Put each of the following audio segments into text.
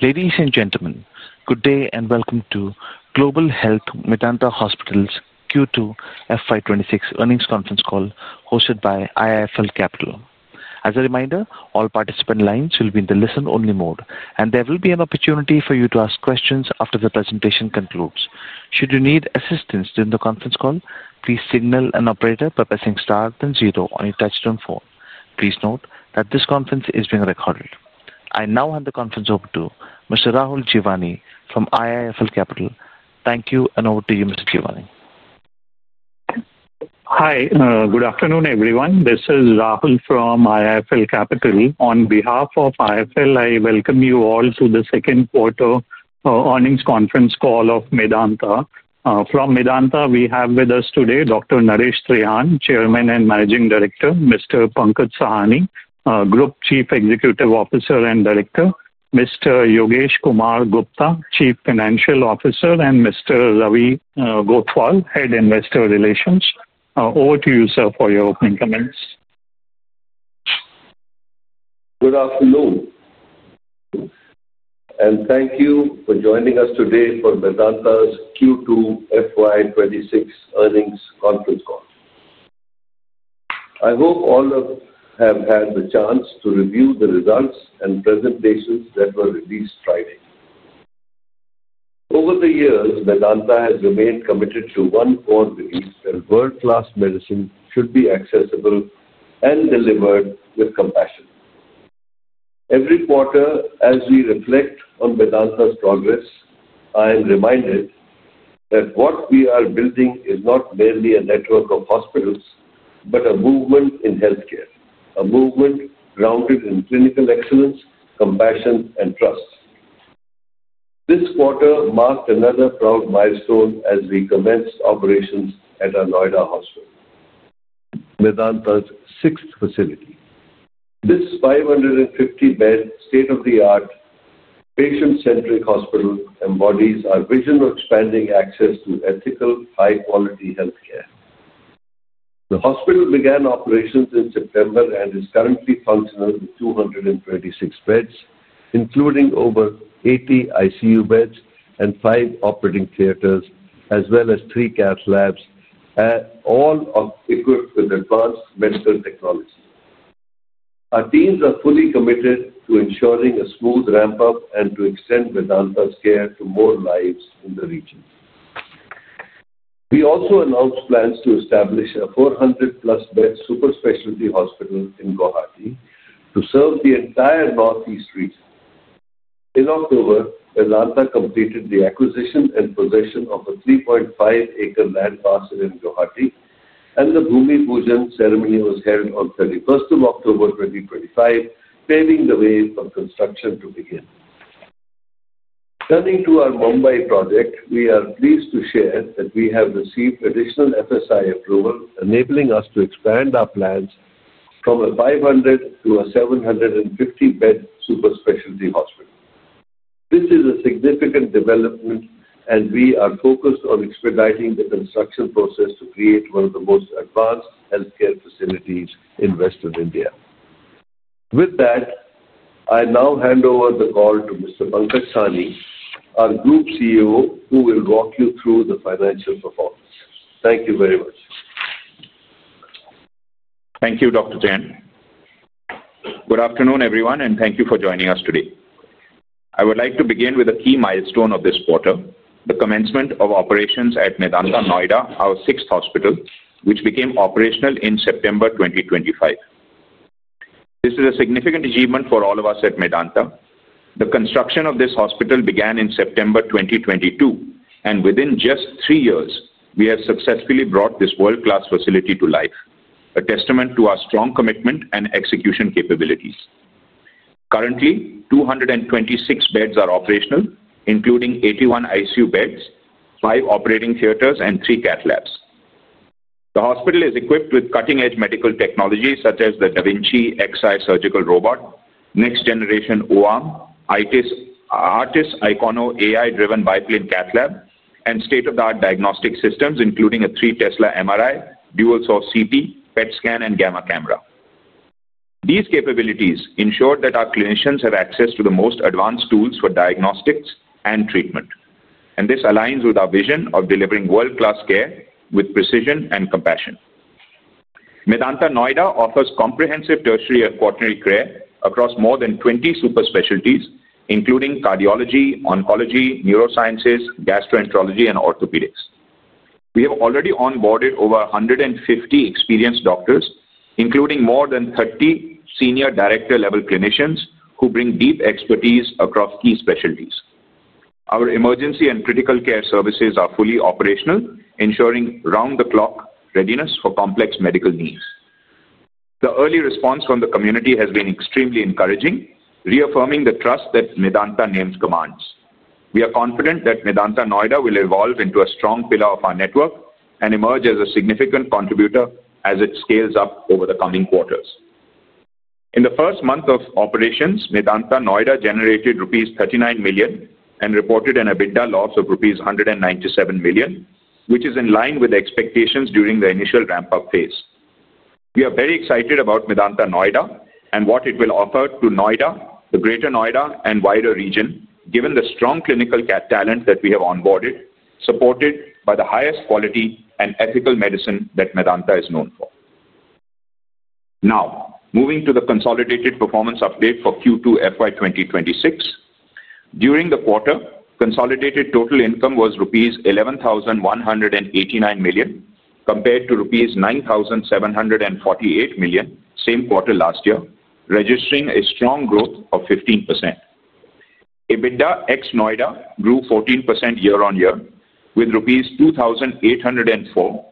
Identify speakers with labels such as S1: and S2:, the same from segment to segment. S1: Ladies and gentlemen, good day and welcome to Global Health Medanta Hospital's Q2 FY 2026 earnings conference call hosted by IIFL Capital. As a reminder, all participant lines will be in the listen-only mode, and there will be an opportunity for you to ask questions after the presentation concludes. Should you need assistance during the conference call, please signal an operator by pressing star then zero on your touch-tone phone. Please note that this conference is being recorded. I now hand the conference over to Mr. Rahul Jeewani from IIFL Capital. Thank you, and over to you, Mr. Jeewani.
S2: Hi, good afternoon, everyone. This is Rahul from IIFL Capital. On behalf of IIFL, I welcome you all to the second quarter earnings conference call of Medanta. From Medanta, we have with us today Dr. Naresh Trehan, Chairman and Managing Director, Mr. Pankaj Sahni, Group Chief Executive Officer and Director, Mr. Yogesh Kumar Gupta, Chief Financial Officer, and Mr. Ravi Gothwal, Head Investor Relations. Over to you, sir, for your opening comments.
S3: Good afternoon, and thank you for joining us today for Medanta's Q2 FY 2026 earnings conference call. I hope all of you have had the chance to review the results and presentations that were released Friday. Over the years, Medanta has remained committed to one core belief that world-class medicine should be accessible and delivered with compassion. Every quarter, as we reflect on Medanta's progress, I am reminded that what we are building is not merely a network of hospitals but a movement in healthcare, a movement grounded in clinical excellence, compassion, and trust. This quarter marked another proud milestone as we commenced operations at Noida Hospital, Medanta's sixth facility. This 550-bed, state-of-the-art, patient-centric hospital embodies our vision of expanding access to ethical, high-quality healthcare. The hospital began operations in September and is currently functional with 226 beds, including over 80 ICU beds and five operating theaters, as well as three cath labs, all equipped with advanced medical technology. Our teams are fully committed to ensuring a smooth ramp-up and to extend Medanta's care to more lives in the region. We also announced plans to establish a 400+ bed super-specialty hospital in Guwahati to serve the entire Northeast region. In October, Medanta completed the acquisition and possession of a 3.5-acre land parcel in Guwahati, and the Bhoomi Pujan ceremony was held on 31st October 2025, paving the way for construction to begin. Turning to our Mumbai project, we are pleased to share that we have received additional FSI approval, enabling us to expand our plans from a 500-750-bed super-specialty hospital. This is a significant development, and we are focused on expediting the construction process to create one of the most advanced healthcare facilities in Western India. With that, I now hand over the call to Mr. Pankaj Sahni, our Group CEO, who will walk you through the financial performance. Thank you very much.
S4: Thank you, Dr. Trehan. Good afternoon, everyone, and thank you for joining us today. I would like to begin with a key milestone of this quarter, the commencement of operations at Medanta Noida, our sixth hospital, which became operational in September 2025. This is a significant achievement for all of us at Medanta. The construction of this hospital began in September 2022, and within just three years, we have successfully brought this world-class facility to life, a testament to our strong commitment and execution capabilities. Currently, 226 beds are operational, including 81 ICU beds, five operating theaters, and three cath labs. The hospital is equipped with cutting-edge medical technologies such as the da Vinci Xi Surgical robot, next-generation O-arm, ARTIS icono AI-driven biplane cath lab, and state-of-the-art diagnostic systems, including a 3 Tesla MRI, Dual Source CT, PET scan, and gamma camera. These capabilities ensure that our clinicians have access to the most advanced tools for diagnostics and treatment, and this aligns with our vision of delivering world-class care with precision and compassion. Medanta Noida offers comprehensive tertiary and quaternary care across more than 20 super-specialties, including cardiology, oncology, neurosciences, gastroenterology, and orthopedics. We have already onboarded over 150 experienced doctors, including more than 30 senior director-level clinicians who bring deep expertise across key specialties. Our emergency and critical care services are fully operational, ensuring round-the-clock readiness for complex medical needs. The early response from the community has been extremely encouraging, reaffirming the trust that the Medanta name commands. We are confident that Medanta Noida will evolve into a strong pillar of our network and emerge as a significant contributor as it scales up over the coming quarters. In the first month of operations, Medanta Noida generated rupees 39 million and reported an EBITDA loss of rupees 197 million, which is in line with expectations during the initial ramp-up phase. We are very excited about Medanta Noida and what it will offer to Noida, the Greater Noida, and wider region, given the strong clinical talent that we have onboarded, supported by the highest quality and ethical medicine that Medanta is known for. Now, moving to the consolidated performance update for Q2 FY 2026. During the quarter, consolidated total income was rupees 11,189 million compared to rupees 9,748 million same quarter last year, registering a strong growth of 15%. EBITDA ex Noida grew 14% year-on-year with rupees 2,804 million,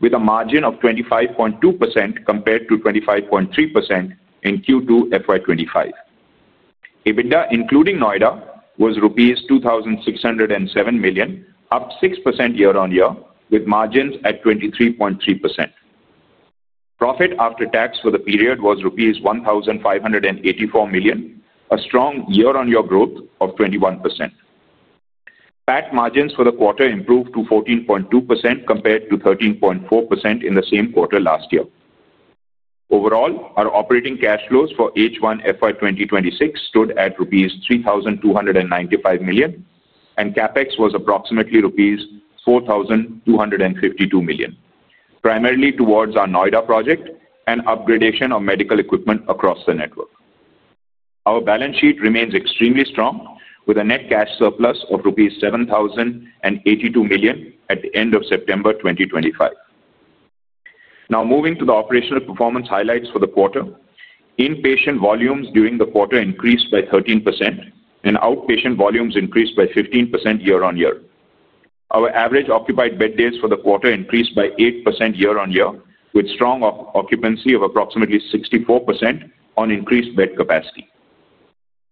S4: with a margin of 25.2% compared to 25.3% in Q2 FY 2025. EBITDA, including Noida, was rupees 2,607 million, up 6% year-on-year, with margins at 23.3%. Profit after tax for the period was rupees 1,584 million, a strong year-on-year growth of 21%. PAT margins for the quarter improved to 14.2% compared to 13.4% in the same quarter last year. Overall, our operating cash flows for H1 FY 2026 stood at rupees 3,295 million, and CapEx was approximately rupees 4,252 million, primarily towards our Noida project and upgradation of medical equipment across the network. Our balance sheet remains extremely strong, with a net cash surplus of rupees 7,082 million at the end of September 2025. Now, moving to the operational performance highlights for the quarter, inpatient volumes during the quarter increased by 13%, and outpatient volumes increased by 15% year-on-year. Our average occupied bed days for the quarter increased by 8% year-on-year, with strong occupancy of approximately 64% on increased bed capacity.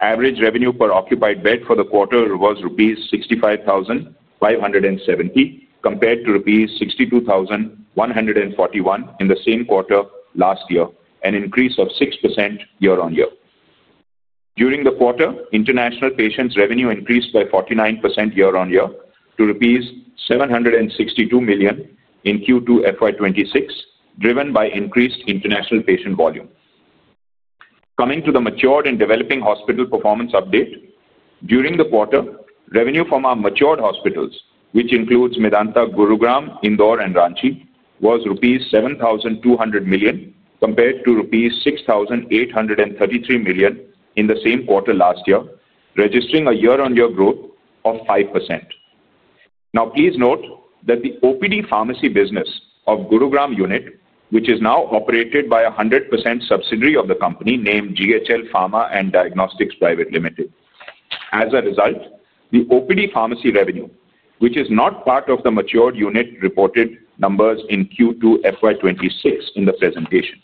S4: Average revenue per occupied bed for the quarter was rupees 65,570 compared to rupees 62,141 in the same quarter last year, an increase of 6% year-on-year. During the quarter, international patients' revenue increased by 49% year-on-year to rupees 762 million in Q2 FY 2026, driven by increased international patient volume. Coming to the matured and developing hospital performance update, during the quarter, revenue from our matured hospitals, which includes Medanta Gurugram, Indore, and Ranchi, was rupees 7,200 million compared to rupees 6,833 million in the same quarter last year, registering a year-on-year growth of 5%. Now, please note that the OPD pharmacy business of Gurugram Unit, which is now operated by a 100% subsidiary of the company named GHL Pharma & Diagnostics Private Limited. As a result, the OPD Pharmacy revenue, which is not part of the matured unit reported numbers in Q2 FY 2026 in the presentation.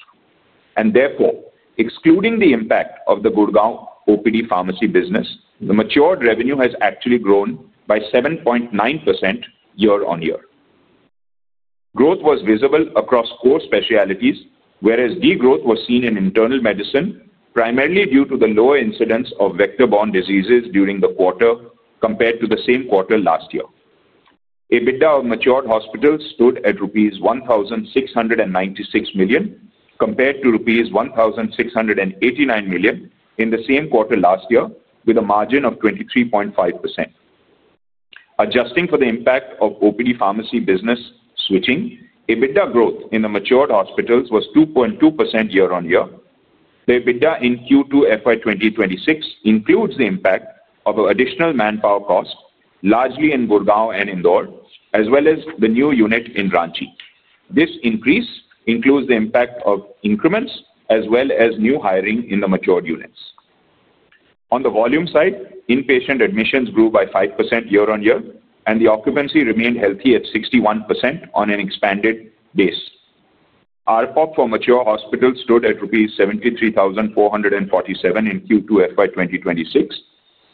S4: Therefore, excluding the impact of the Gurugram OPD Pharmacy business, the matured revenue has actually grown by 7.9% year-on-year. Growth was visible across core specialties, whereas degrowth was seen in internal medicine, primarily due to the lower incidence of vector-borne diseases during the quarter compared to the same quarter last year. EBITDA of matured hospitals stood at rupees 1,696 million compared to rupees 1,689 million in the same quarter last year, with a margin of 23.5%. Adjusting for the impact of OPD Pharmacy business switching, EBITDA growth in the matured hospitals was 2.2% year-on-year. The EBITDA in Q2 FY 2026 includes the impact of additional manpower cost, largely in Gurugram and Indore, as well as the new unit in Ranchi. This increase includes the impact of increments as well as new hiring in the matured units. On the volume side, inpatient admissions grew by 5% year-on-year, and the occupancy remained healthy at 61% on an expanded base. RPOP for mature hospitals stood at rupees 73,447 in Q2 FY 2026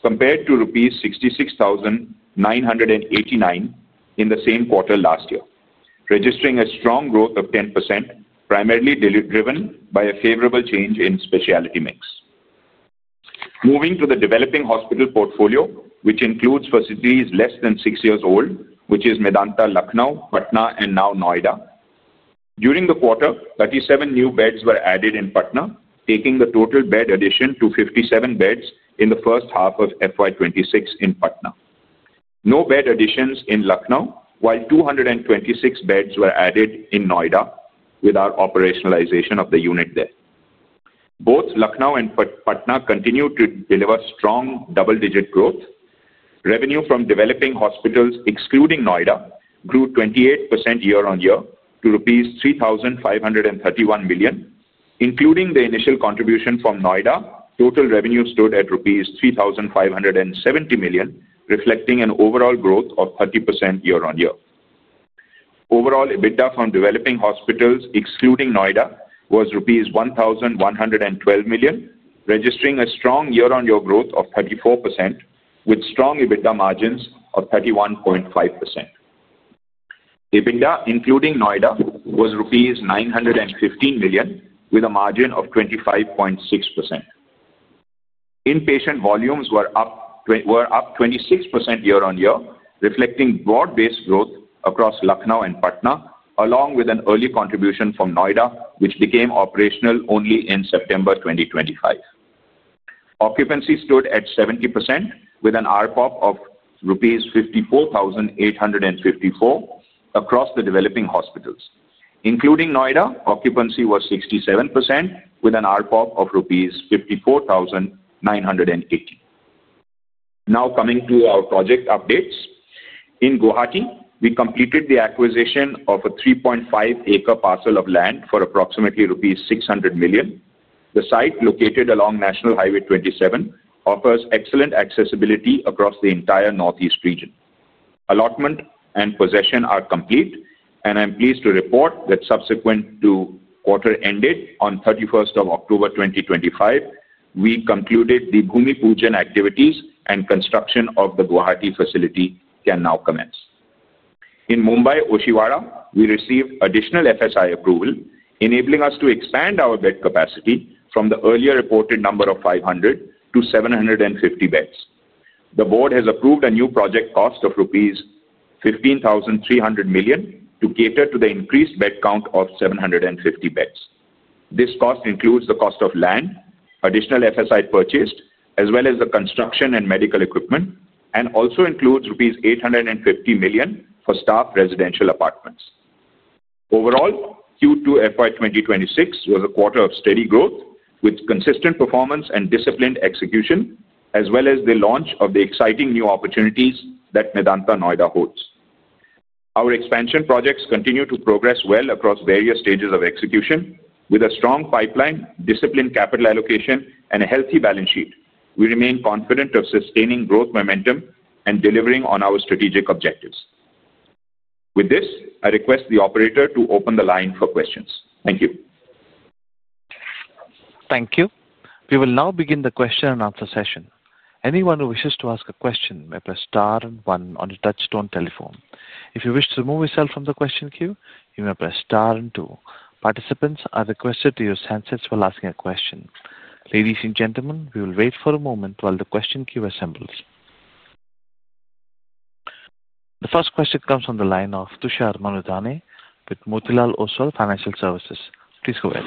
S4: compared to rupees 66,989 in the same quarter last year, registering a strong growth of 10%, primarily driven by a favorable change in specialty mix. Moving to the developing hospital portfolio, which includes facilities less than six years old, which is Medanta Lucknow, Patna, and now Noida. During the quarter, 37 new beds were added in Patna, taking the total bed addition to 57 beds in the first half of FY 2026 in Patna. No bed additions in Lucknow, while 226 beds were added in Noida with our operationalization of the unit there. Both Lucknow and Patna continued to deliver strong double-digit growth. Revenue from developing hospitals excluding Noida grew 28% year-on-year to rupees 3,531 million. Including the initial contribution from Noida, total revenue stood at rupees 3,570 million, reflecting an overall growth of 30% year-on-year. Overall, EBITDA from developing hospitals excluding Noida was 1,112 million, registering a strong year-on-year growth of 34%, with strong EBITDA margins of 31.5%. EBITDA including Noida was rupees 915 million, with a margin of 25.6%. Inpatient volumes were up 26% year-on-year, reflecting broad-based growth across Lucknow and Patna, along with an early contribution from Noida, which became operational only in September 2025. Occupancy stood at 70%, with an RPOP of rupees 54,854 across the developing hospitals. Including Noida, occupancy was 67%, with an RPOP of rupees 54,950. Now, coming to our project updates. In Guwahati, we completed the acquisition of a 3.5-acre parcel of land for approximately rupees 600 million. The site, located along National Highway 27, offers excellent accessibility across the entire Northeast region. Allotment and possession are complete, and I'm pleased to report that subsequent to quarter ended on 31st of October 2025, we concluded the Bhoomi Pujan activities and construction of the Guwahati facility can now commence. In Mumbai, Oshiwara, we received additional FSI approval, enabling us to expand our bed capacity from the earlier reported number of 500-750 beds. The board has approved a new project cost of rupees 15,300 million to cater to the increased bed count of 750 beds. This cost includes the cost of land, additional FSI purchased, as well as the construction and medical equipment, and also includes rupees 850 million for staff residential apartments. Overall, Q2 FY 2026 was a quarter of steady growth, with consistent performance and disciplined execution, as well as the launch of the exciting new opportunities that Medanta Noida holds. Our expansion projects continue to progress well across various stages of execution, with a strong pipeline, disciplined capital allocation, and a healthy balance sheet, we remain confident of sustaining growth momentum and delivering on our strategic objectives. With this, I request the operator to open the line for questions. Thank you.
S1: Thank you. We will now begin the question-and-answer session. Anyone who wishes to ask a question may press star and one on the touch-tone telephone. If you wish to remove yourself from the question queue, you may press star and two. Participants are requested to use handsets while asking a question. Ladies and gentlemen, we will wait for a moment while the question queue assembles. The first question comes from the line of Tushar Manudhane with Motilal Oswal Financial Services. Please go ahead.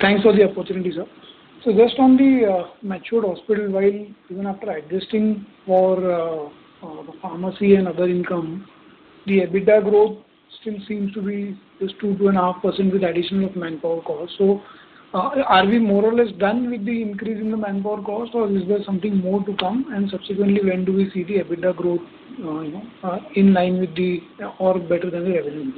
S5: Thanks for the opportunity, sir. Just on the matured hospital, while even after adjusting for the pharmacy and other income, the EBITDA growth still seems to be just 2%-2.5% with additional manpower cost. Are we more or less done with the increase in the manpower cost, or is there something more to come? Subsequently, when do we see the EBITDA growth in line with or better than the revenue?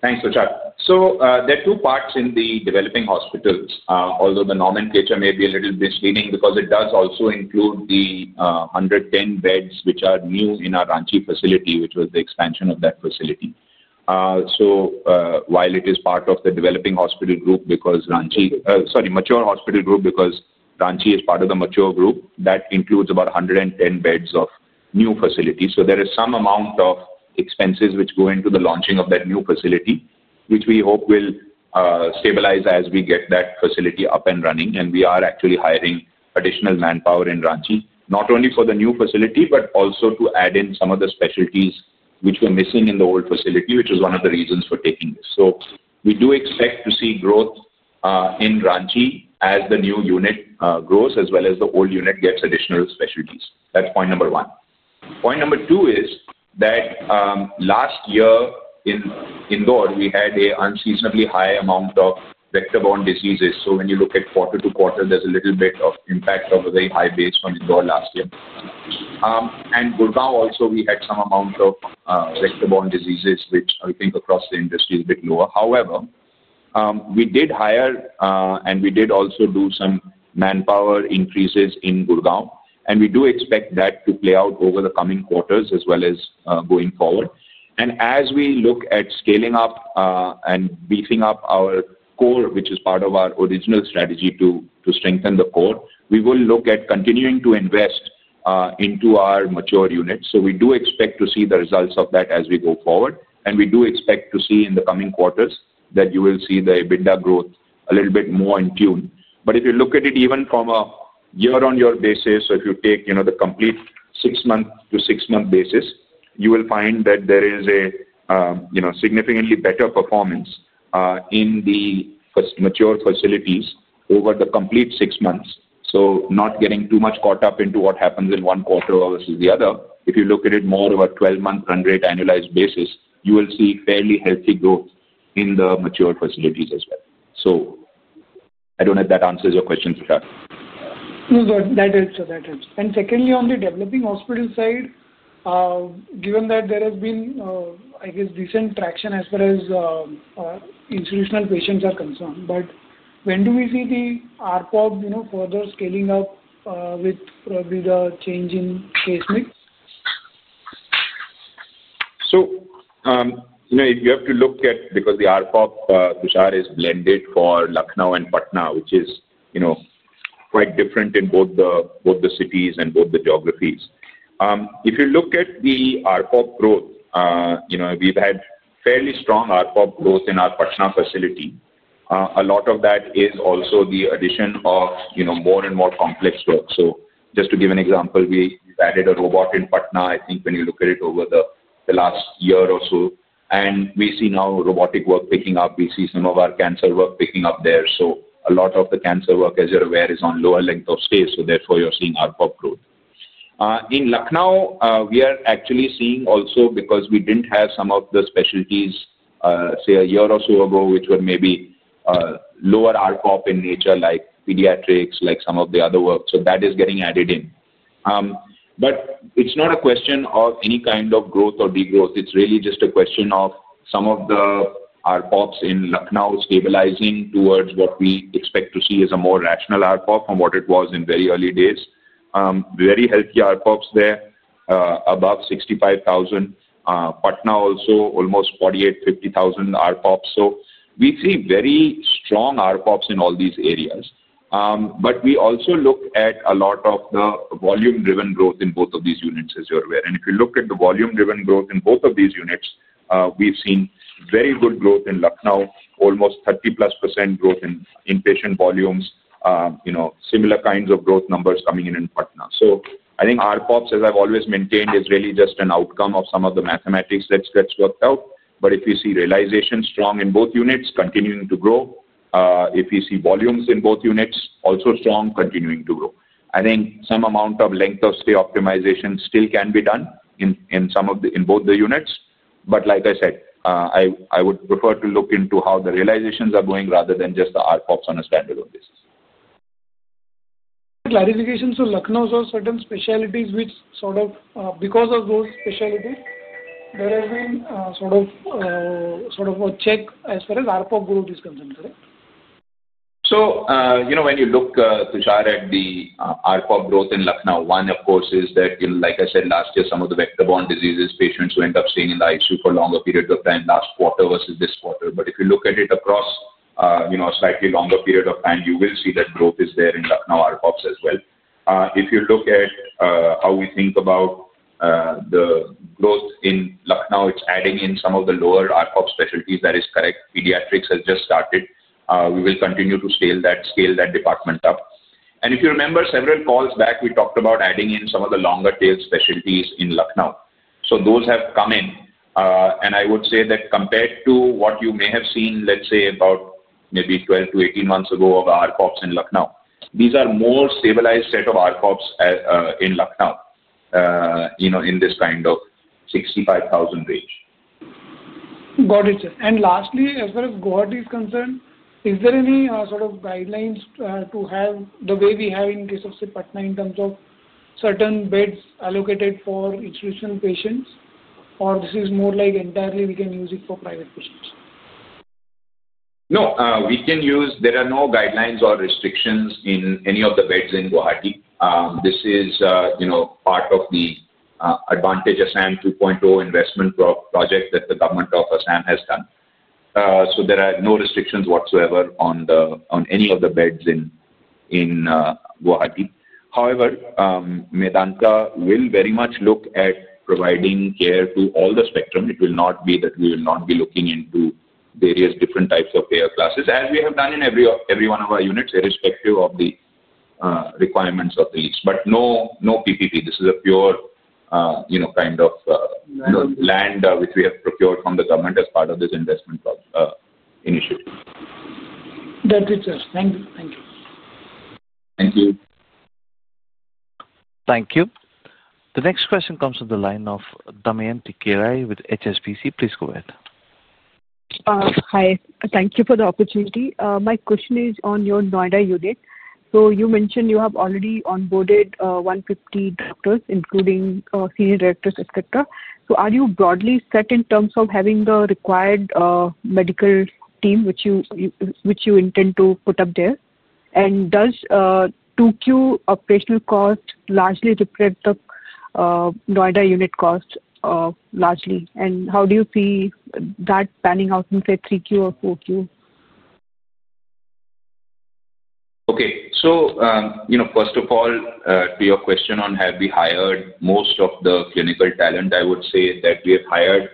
S4: Thanks, Tushar. There are two parts in the developing hospitals, although the nomenclature may be a little misleading because it does also include the 110 beds which are new in our Ranchi facility, which was the expansion of that facility. While it is part of the developing hospital group because Ranchi, sorry, mature hospital group because Ranchi is part of the mature group, that includes about 110 beds of new facility. There is some amount of expenses which go into the launching of that new facility, which we hope will stabilize as we get that facility up and running. We are actually hiring additional manpower in Ranchi, not only for the new facility, but also to add in some of the specialties which were missing in the old facility, which is one of the reasons for taking this. We do expect to see growth in Ranchi as the new unit grows, as well as the old unit gets additional specialties. That is point number one. Point number two is that last year in Indore, we had an unseasonably high amount of vector-borne diseases. When you look at quarter to quarter, there is a little bit of impact of a very high base on Indore last year. Gurugram also, we had some amount of vector-borne diseases, which I think across the industry is a bit lower. However, we did hire, and we did also do some manpower increases in Gurugram, and we do expect that to play out over the coming quarters as well as going forward. As we look at scaling up and beefing up our core, which is part of our original strategy to strengthen the core, we will look at continuing to invest into our mature units. We do expect to see the results of that as we go forward, and we do expect to see in the coming quarters that you will see the EBITDA growth a little bit more in tune. If you look at it even from a year-on-year basis, if you take the complete six-month to six-month basis, you will find that there is a significantly better performance in the mature facilities over the complete six months. Not getting too much caught up into what happens in one quarter versus the other. If you look at it more of a 12-month run rate annualized basis, you will see fairly healthy growth in the mature facilities as well. I do not know if that answers your question, Tushar.
S5: No, that helps. That helps. Secondly, on the developing hospital side, given that there has been, I guess, decent traction as far as institutional patients are concerned, but when do we see the RPOP further scaling up with the change in case mix?
S4: You have to look at because the RPOP, Tushar, is blended for Lucknow and Patna, which is quite different in both the cities and both the geographies. If you look at the RPOP growth, we've had fairly strong RPOP growth in our Patna facility. A lot of that is also the addition of more and more complex work. Just to give an example, we've added a robot in Patna, I think when you look at it over the last year or so, and we see now robotic work picking up. We see some of our cancer work picking up there. A lot of the cancer work, as you're aware, is on lower length of stays, so therefore you're seeing RPOP growth. In Lucknow, we are actually seeing also because we did not have some of the specialties, say, a year or so ago, which were maybe lower RPOP in nature, like pediatrics, like some of the other work. That is getting added in. It is not a question of any kind of growth or degrowth. It is really just a question of some of the RPOPs in Lucknow stabilizing towards what we expect to see as a more rational RPOP from what it was in very early days. Very healthy RPOPs there, above 65,000. Patna also almost 48,000-50,000 RPOPs. We see very strong RPOPs in all these areas. We also look at a lot of the volume-driven growth in both of these units, as you are aware. If you look at the volume-driven growth in both of these units, we've seen very good growth in Lucknow, almost 30%+ growth in inpatient volumes, similar kinds of growth numbers coming in in Patna. I think RPOPs, as I've always maintained, is really just an outcome of some of the mathematics that gets worked out. If you see realization strong in both units, continuing to grow. If you see volumes in both units, also strong, continuing to grow. I think some amount of length of stay optimization still can be done in both the units. Like I said, I would prefer to look into how the realizations are going rather than just the RPOPs on a standalone basis.
S5: Clarification. Lucknow's also certain specialties, which sort of because of those specialties, there has been sort of a check as far as RPOP growth is concerned, correct?
S4: When you look, Tushar, at the RPOP growth in Lucknow, one, of course, is that, like I said, last year, some of the vector-borne diseases patients ended up staying in the ICU for longer periods of time last quarter versus this quarter. If you look at it across a slightly longer period of time, you will see that growth is there in Lucknow RPOPs as well. If you look at how we think about the growth in Lucknow, it is adding in some of the lower RPOP specialties. That is correct. Pediatrics has just started. We will continue to scale that department up. If you remember several calls back, we talked about adding in some of the longer-tailed specialties in Lucknow. Those have come in. I would say that compared to what you may have seen, let's say, about maybe 12-18 months ago of RPOPs in Lucknow, these are more stabilized set of RPOPs in Lucknow in this kind of 65,000 range.
S5: Got it. Lastly, as far as Guwahati is concerned, is there any sort of guidelines to have the way we have in case of Patna in terms of certain beds allocated for institutional patients, or this is more like entirely we can use it for private patients?
S4: No, we can use, there are no guidelines or restrictions in any of the beds in Guwahati. This is part of the Advantage Assam 2.0 investment project that the government of Assam has done. There are no restrictions whatsoever on any of the beds in Guwahati. However, Medanta will very much look at providing care to all the spectrum. It will not be that we will not be looking into various different types of care classes, as we have done in every one of our units, irrespective of the requirements of the lease. No PPP. This is a pure kind of land which we have procured from the government as part of this investment initiative.
S5: That's it, sir. Thank you and thanks.
S4: Thank you.
S1: Thank you. The next question comes from the line of Damayanti Kerai with HSBC. Please go ahead.
S6: Hi. Thank you for the opportunity. My question is on your Noida unit. You mentioned you have already onboarded 150 doctors, including senior directors, et cetera. Are you broadly set in terms of having the required medical team which you intend to put up there? Does 2Q operational cost largely reflect the Noida unit cost? How do you see that panning out in, say, 3Q or 4Q?
S4: Okay. First of all, to your question on have we hired most of the clinical talent, I would say that we have hired a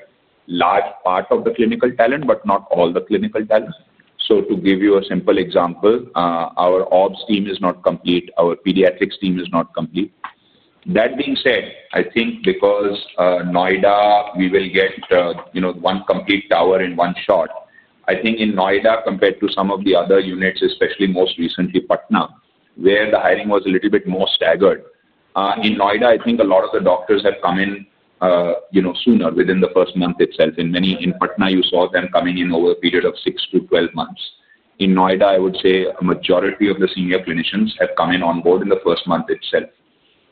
S4: large part of the clinical talent, but not all the clinical talent. To give you a simple example, our OBS team is not complete. Our pediatrics team is not complete. That being said, I think because Noida, we will get one complete tower in one shot. I think in Noida, compared to some of the other units, especially most recently Patna, where the hiring was a little bit more staggered, in Noida, I think a lot of the doctors have come in sooner within the first month itself. In Patna, you saw them coming in over a period of 6-12 months. In Noida, I would say a majority of the senior clinicians have come in onboard in the first month itself.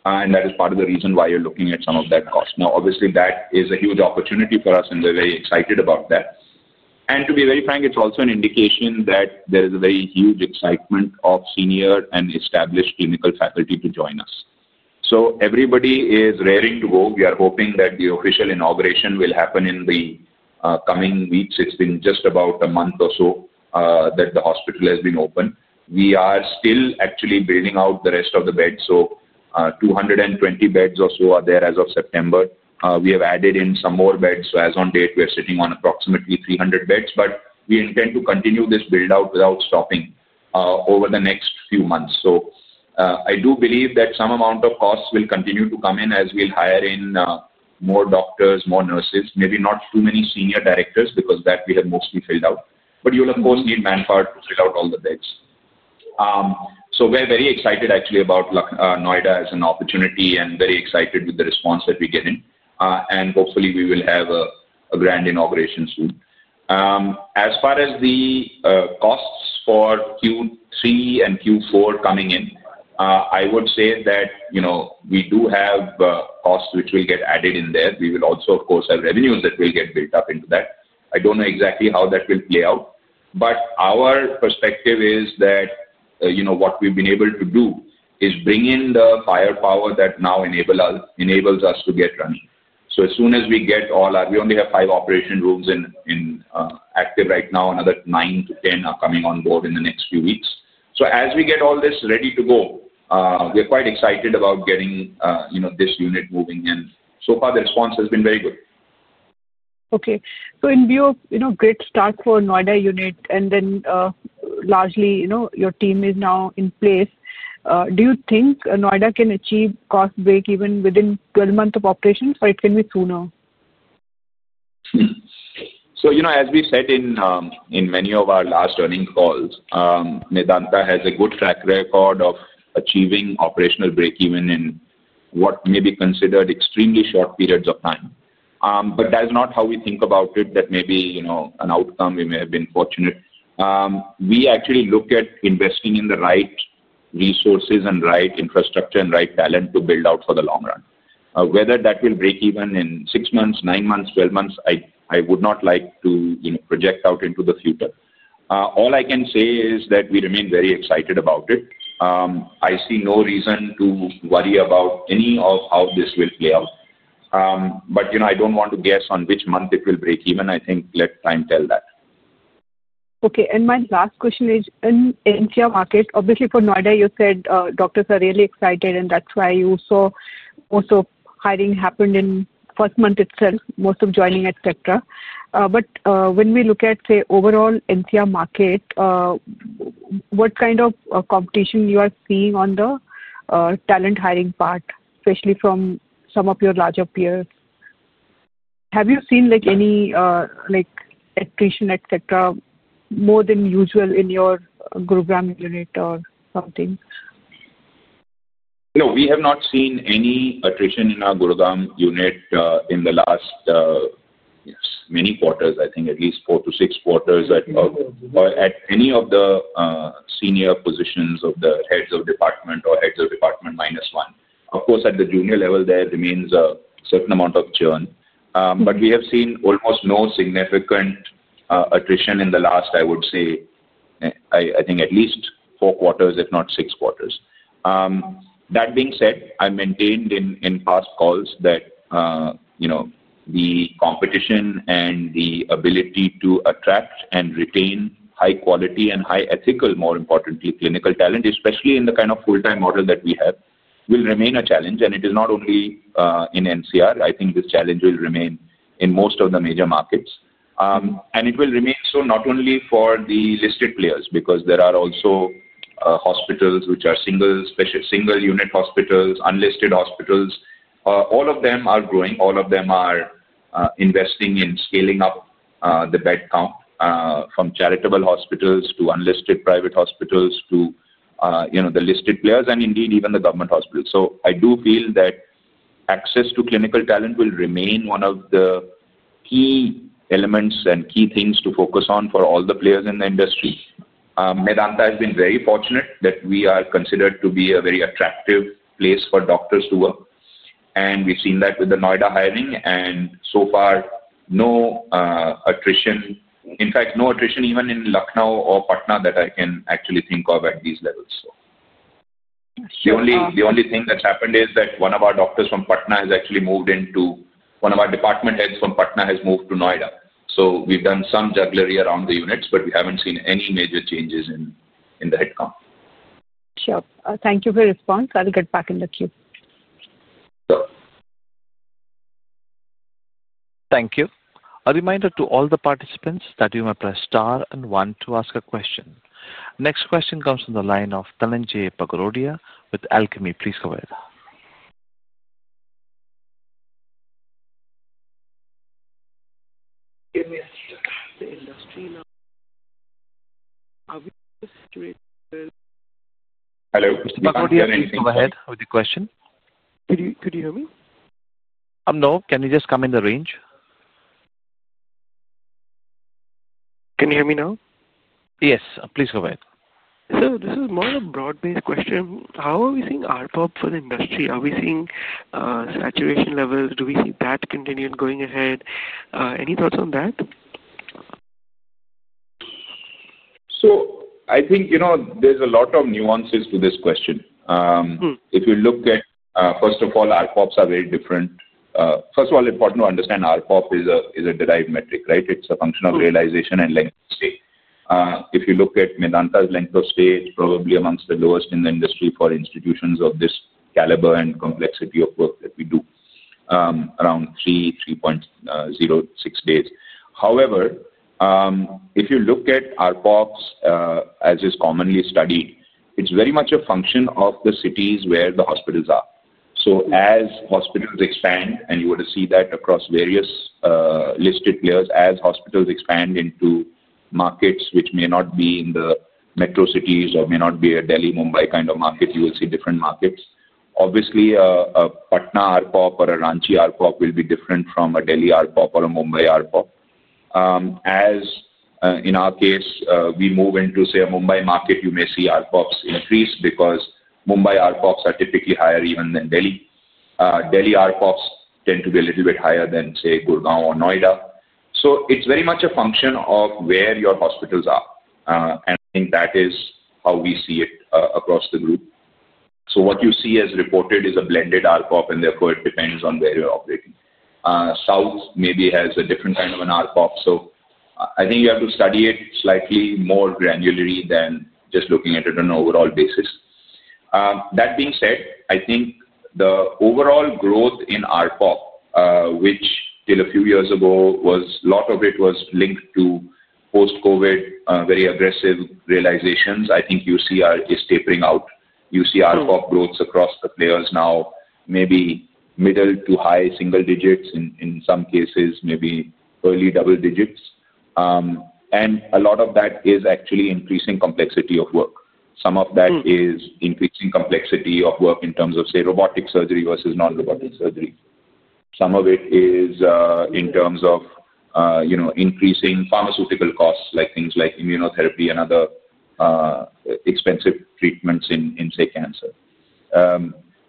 S4: That is part of the reason why you're looking at some of that cost. Obviously, that is a huge opportunity for us, and we're very excited about that. To be very frank, it's also an indication that there is a very huge excitement of senior and established clinical faculty to join us. Everybody is raring to go. We are hoping that the official inauguration will happen in the coming weeks. It's been just about a month or so that the hospital has been open. We are still actually building out the rest of the beds so 220 beds or so are there as of September. We have added in some more beds. As of date, we are sitting on approximately 300 beds, but we intend to continue this build-out without stopping over the next few months. I do believe that some amount of costs will continue to come in as we'll hire in more doctors, more nurses, maybe not too many senior directors because that we have mostly filled out. You'll, of course, need manpower to fill out all the beds. We're very excited, actually, about Noida as an opportunity and very excited with the response that we get in. Hopefully, we will have a grand inauguration soon. As far as the costs for Q3 and Q4 coming in, I would say that we do have costs which will get added in there. We will also, of course, have revenues that will get built up into that. I don't know exactly how that will play out, but our perspective is that what we've been able to do is bring in the firepower that now enables us to get running. As soon as we get all our, we only have five operation rooms active right now like another 9-10 are coming onboard in the next few weeks. As we get all this ready to go, we're quite excited about getting this unit moving in. So far, the response has been very good.
S6: Okay. So in view of great start for Noida unit and then largely your team is now in place, do you think Noida can achieve cost break even within 12 months of operation, or it can be sooner?
S4: As we've said in many of our last earning calls, Medanta has a good track record of achieving operational break-even in what may be considered extremely short periods of time. That is not how we think about it, that may be an outcome we may have been fortunate. We actually look at investing in the right resources and right infrastructure and right talent to build out for the long run. Whether that will break even in six months, nine months, twelve months, I would not like to project out into the future. All I can say is that we remain very excited about it. I see no reason to worry about any of how this will play out. I do not want to guess on which month it will break even. I think let time tell that.
S6: Okay. My last question is in NCR market, obviously for Noida, you said doctors are really excited, and that's why you saw most of hiring happened in first month itself, most of joining, et cetera. When we look at, say, overall NCR market, what kind of competition you are seeing on the talent hiring part, especially from some of your larger peers? Have you seen any attrition, et cetera, more than usual in your Gurugram unit or something?
S4: No, we have not seen any attrition in our Gurugram unit in the last many quarters, I think at least four to six quarters at any of the senior positions of the heads of department or heads of department minus one. Of course, at the junior level, there remains a certain amount of churn. We have seen almost no significant attrition in the last, I would say, I think at least four quarters, if not six quarters. That being said, I maintained in past calls that the competition and the ability to attract and retain high quality and high ethical, more importantly, clinical talent, especially in the kind of full-time model that we have, will remain a challenge. It is not only in NCR. I think this challenge will remain in most of the major markets. It will remain so not only for the listed players because there are also hospitals which are single-unit hospitals, unlisted hospitals. All of them are growing. All of them are investing in scaling up the bed count from charitable hospitals to unlisted private hospitals to the listed players and indeed even the government hospitals. I do feel that access to clinical talent will remain one of the key elements and key things to focus on for all the players in the industry. Medanta has been very fortunate that we are considered to be a very attractive place for doctors to work. We have seen that with the Noida hiring. So far, no attrition, in fact, no attrition even in Lucknow or Patna that I can actually think of at these levels. The only thing that's happened is that one of our doctors from Patna has actually moved into, one of our department heads from Patna has moved to Noida. So we've done some jugglery around the units, but we haven't seen any major changes in the headcount.
S6: Sure. Thank you for your response. I'll get back in the queue.
S4: Sure.
S1: Thank you. A reminder to all the participants that you may press star and one to ask a question. Next question comes from the line of Dhananjay Bagrodia with Alchemy. Please go ahead. Hello. Bagrodia, please go ahead with the question.
S7: Could you hear me?
S1: No. Can you just come in the range?
S7: Can you hear me now?
S1: Yes. Please go ahead.
S7: This is more of a broad-based question. How are we seeing RPOP for the industry? Are we seeing saturation levels? Do we see that continuing going ahead? Any thoughts on that?
S4: I think there's a lot of nuances to this question. If you look at, first of all, RPOPs are very different. First of all, important to understand RPOP is a derived metric, right? It's a function of realization and length of stay. If you look at Medanta's length of stay, it's probably amongst the lowest in the industry for institutions of this caliber and complexity of work that we do, around 3.06 days. However, if you look at RPOPs as is commonly studied, it's very much a function of the cities where the hospitals are. As hospitals expand, and you will see that across various listed players, as hospitals expand into markets which may not be in the metro cities or may not be a Delhi-Mumbai kind of market, you will see different markets. Obviously, a Patna RPOP or a Ranchi RPOP will be different from a Delhi RPOP or a Mumbai RPOP. As in our case, we move into, say, a Mumbai market, you may see RPOPs increase because Mumbai RPOPs are typically higher even than Delhi. Delhi RPOPs tend to be a little bit higher than, say, Gurugram or Noida. It is very much a function of where your hospitals are. I think that is how we see it across the group. What you see as reported is a blended RPOP, and therefore it depends on where you are operating. South maybe has a different kind of an RPOP. I think you have to study it slightly more granularly than just looking at it on an overall basis. That being said, I think the overall growth in RPOP, which till a few years ago, a lot of it was linked to post-COVID very aggressive realizations, I think you see is tapering out. You see RPOP growths across the players now, maybe middle to high single digits in some cases, maybe early double digits. A lot of that is actually increasing complexity of work. Some of that is increasing complexity of work in terms of, say, robotic surgery versus non-robotic surgery. Some of it is in terms of increasing pharmaceutical costs, like things like immunotherapy and other expensive treatments in, say, cancer.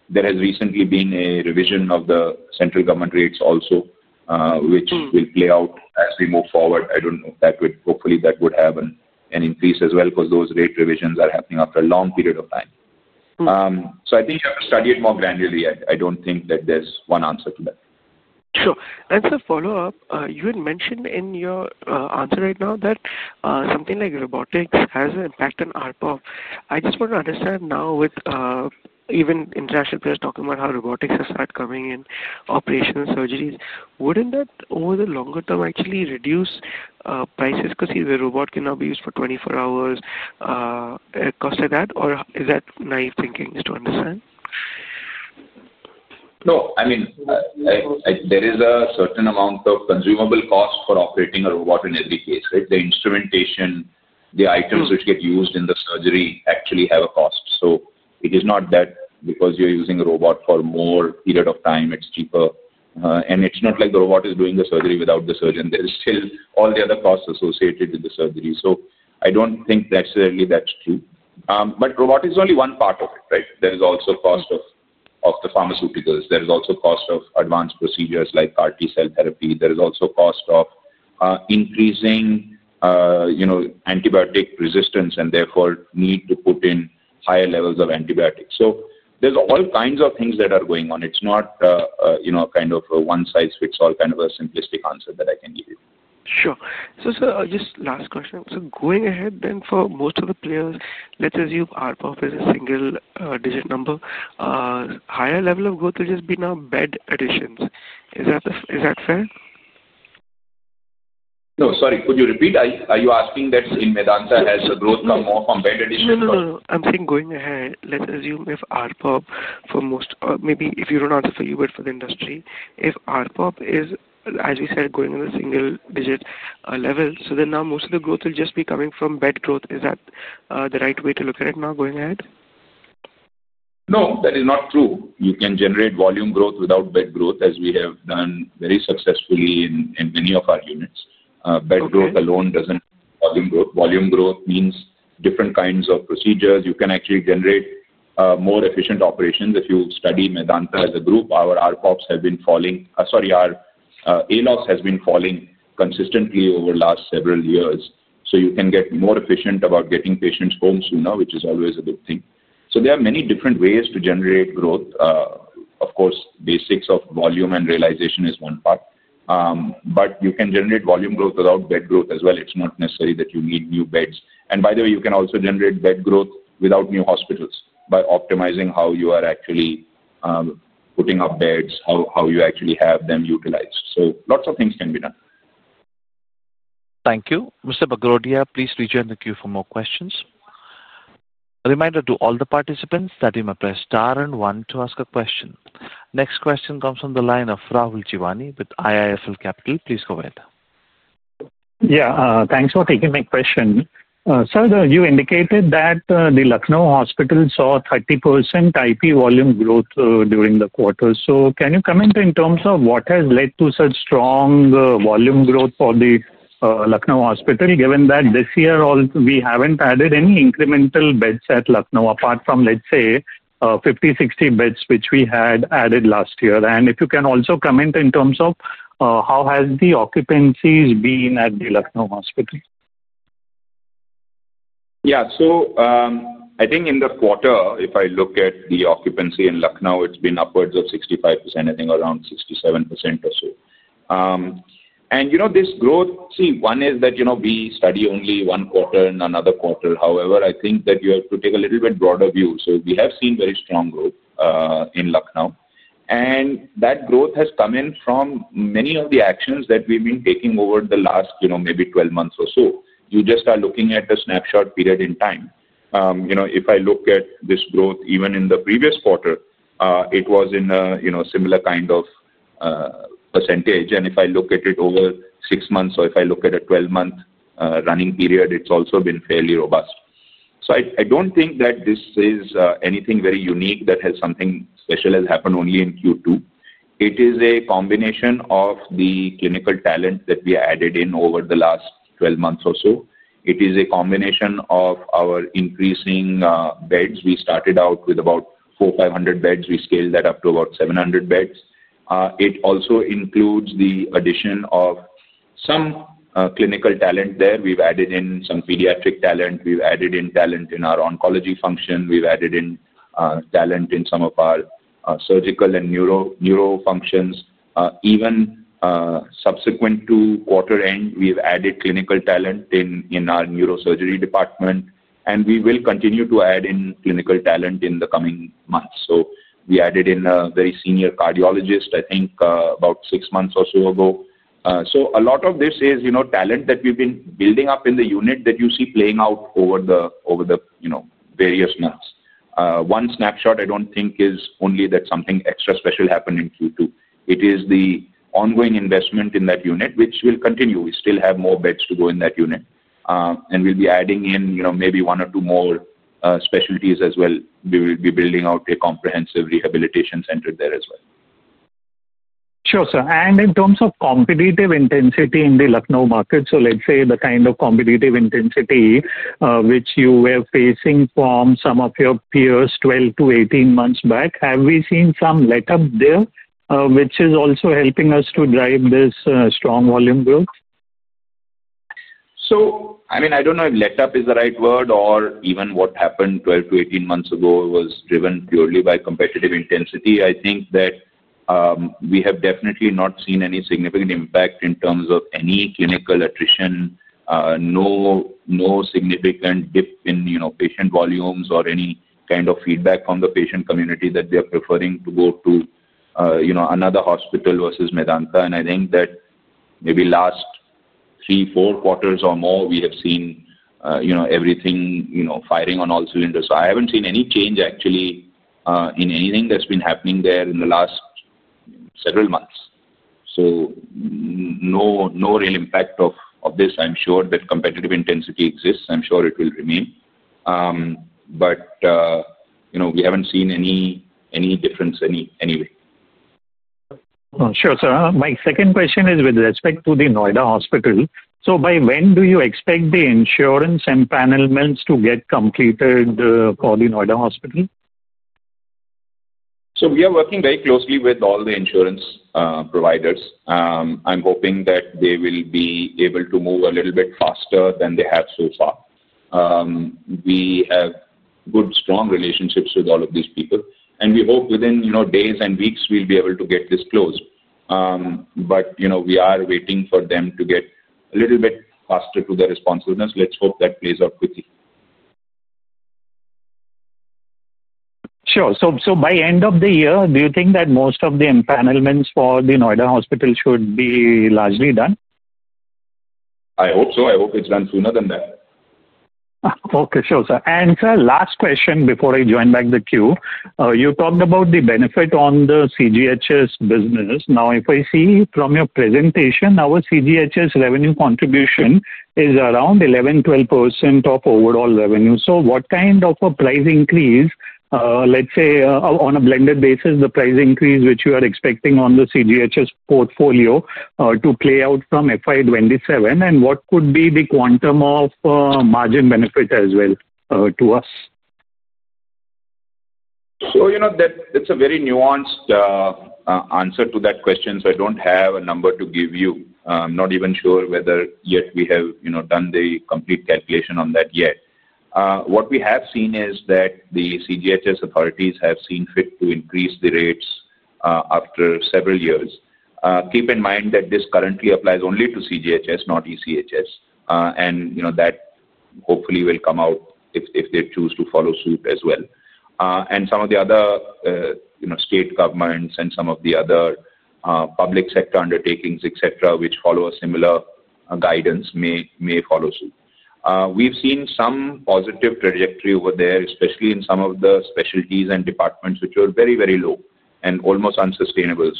S4: There has recently been a revision of the central government rates also, which will play out as we move forward. I don't know. Hopefully, that would have an increase as well because those rate revisions are happening after a long period of time. I think you have to study it more granularly, I do not think that there is one answer to that.
S7: Sure. As a follow-up, you had mentioned in your answer right now that something like robotics has an impact on RPOP. I just want to understand now with even international players talking about how robotics has started coming in operational surgeries, would not that, over the longer term, actually reduce prices because the robot can now be used for 24 hours, costs like that? Or is that naive thinking just to understand?
S4: No. I mean, there is a certain amount of consumable cost for operating a robot in every case, right? The instrumentation, the items which get used in the surgery actually have a cost. It is not that because you're using a robot for a more period of time, it's cheaper. It is not like the robot is doing the surgery without the surgeon. There are still all the other costs associated with the surgery. I do not think necessarily that's true.
S7: Robotics is only one part of it, right?
S4: There is also cost of the pharmaceuticals. There is also cost of advanced procedures like RT cell therapy. There is also cost of increasing antibiotic resistance and therefore need to put in higher levels of antibiotics. There are all kinds of things that are going on. It's not a kind of a one-size-fits-all kind of a simplistic answer that I can give you.
S7: Sure. Just last question. Going ahead then for most of the players, let's assume RPOP is a single-digit number, higher level of growth will just be now bed additions. Is that fair?
S4: No. Sorry. Could you repeat? Are you asking that in Medanta, has the growth come more from bed additions?
S7: No, no, no. I'm saying going ahead, let's assume if RPOP for most, maybe if you don't answer for you, but for the industry, if RPOP is, as you said, going on a single-digit level, so then now most of the growth will just be coming from bed growth. Is that the right way to look at it now going ahead?
S4: No, that is not true. You can generate volume growth without bed growth, as we have done very successfully in many of our units. Bed growth alone doesn't mean volume growth. Volume growth means different kinds of procedures. You can actually generate more efficient operations. If you study Medanta as a group, our RPOPs have been falling, sorry, our ALOS has been falling consistently over the last several years. You can get more efficient about getting patients home sooner, which is always a good thing. There are many different ways to generate growth. Of course, basics of volume and realization is one part. You can generate volume growth without bed growth as well. It's not necessary that you need new beds. By the way, you can also generate bed growth without new hospitals by optimizing how you are actually putting up beds, how you actually have them utilized. Lots of things can be done.
S1: Thank you. Mr. Bagrodia, please rejoin the queue for more questions. A reminder to all the participants that you may press star and one to ask a question. Next question comes from the line of Rahul Jeewani with IIFL Capital. Please go ahead.
S8: Yeah. Thanks for taking my question. You indicated that the Lucknow hospital saw 30% IP volume growth during the quarter. Can you comment in terms of what has led to such strong volume growth for the Lucknow hospital, given that this year we haven't added any incremental beds at Lucknow apart from, let's say, 50-60 beds which we had added last year? If you can also comment in terms of how has the occupancies been at the Lucknow hospital?
S4: Yeah. I think in the quarter, if I look at the occupancy in Lucknow, it's been upwards of 65%, I think around 67% or so. This growth, see, one is that we study only one quarter and another quarter. However, I think that you have to take a little bit broader view. We have seen very strong growth in Lucknow. That growth has come in from many of the actions that we've been taking over the last maybe 12 months or so. You just are looking at a snapshot period in time. If I look at this growth, even in the previous quarter, it was in a similar kind of percentage. If I look at it over six months or if I look at a 12-month running period, it's also been fairly robust. I do not think that this is anything very unique that has something special has happened only in Q2. It is a combination of the clinical talent that we added in over the last 12 months or so. It is a combination of our increasing beds. We started out with about 4,500 beds, we scaled that up to about 700 beds. It also includes the addition of some clinical talent there. We have added in some pediatric talent. We have added in talent in our oncology function. We have added in talent in some of our surgical and neuro functions. Even subsequent to quarter end, we have added clinical talent in our Neurosurgery department. We will continue to add in clinical talent in the coming months. We added in a very senior cardiologist, I think, about six months or so ago. A lot of this is talent that we've been building up in the unit that you see playing out over the various months. One snapshot, I don't think, is only that something extra special happened in Q2. It is the ongoing investment in that unit, which will continue. We still have more beds to go in that unit. We'll be adding in maybe one or two more specialties as well. We will be building out a comprehensive rehabilitation center there as well.
S8: Sure, sir. In terms of competitive intensity in the Lucknow market, the kind of competitive intensity which you were facing from some of your peers 12-18 months back, have we seen some letup there, which is also helping us to drive this strong volume growth?
S4: I mean, I do not know if letup is the right word or even what happened 12-18 months ago was driven purely by competitive intensity. I think that we have definitely not seen any significant impact in terms of any clinical attrition, no significant dip in patient volumes, or any kind of feedback from the patient community that they are preferring to go to another hospital versus Medanta. I think that maybe last three, four quarters or more, we have seen everything firing on all cylinders. I have not seen any change, actually, in anything that has been happening there in the last several months. No real impact of this. I am sure that competitive intensity exists. I am sure it will remain. We have not seen any difference anyway.
S8: Sure, sir. My second question is with respect to the Noida Hospital. By when do you expect the insurance and panel empanels to get completed for the Noida Hospital?
S4: We are working very closely with all the insurance providers. I'm hoping that they will be able to move a little bit faster than they have so far. We have good, strong relationships with all of these people. We hope within days and weeks, we'll be able to get this closed. We are waiting for them to get a little bit faster to their responsiveness. Let's hope that plays out quickly.
S8: Sure. By end of the year, do you think that most of the panel meals for the Noida Hospital should be largely done?
S4: I hope so. I hope it's done sooner than that.
S8: Okay. Sure, sir. And sir, last question before I join back the queue. You talked about the benefit on the CGHS business. Now, if I see from your presentation, our CGHS revenue contribution is around 11%, 12% of overall revenue. What kind of a price increase, let's say on a blended basis, the price increase which you are expecting on the CGHS portfolio to play out from FY 2027, and what could be the quantum of margin benefit as well to us?
S4: That's a very nuanced answer to that question. I don't have a number to give you. I'm not even sure whether yet we have done the complete calculation on that yet. What we have seen is that the CGHS authorities have seen fit to increase the rates after several years. Keep in mind that this currently applies only to CGHS, not ECHS. That hopefully will come out if they choose to follow suit as well. Some of the other state governments and some of the other public sector undertakings, etc., which follow a similar guidance, may follow suit. We've seen some positive trajectory over there, especially in some of the specialties and departments which are very, very low and almost unsustainable.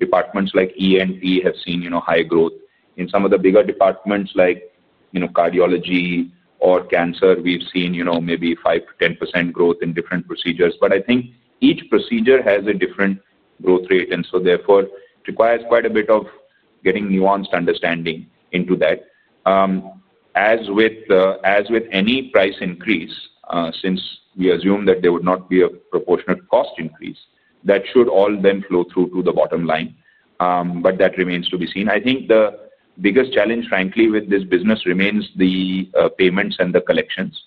S4: Departments like ENP have seen high growth. In some of the bigger departments like cardiology or cancer, we've seen maybe 5%-10% growth in different procedures. I think each procedure has a different growth rate. Therefore, it requires quite a bit of getting nuanced understanding into that. As with any price increase, since we assume that there would not be a proportionate cost increase, that should all then flow through to the bottom line. That remains to be seen. I think the biggest challenge, frankly, with this business remains the payments and the collections.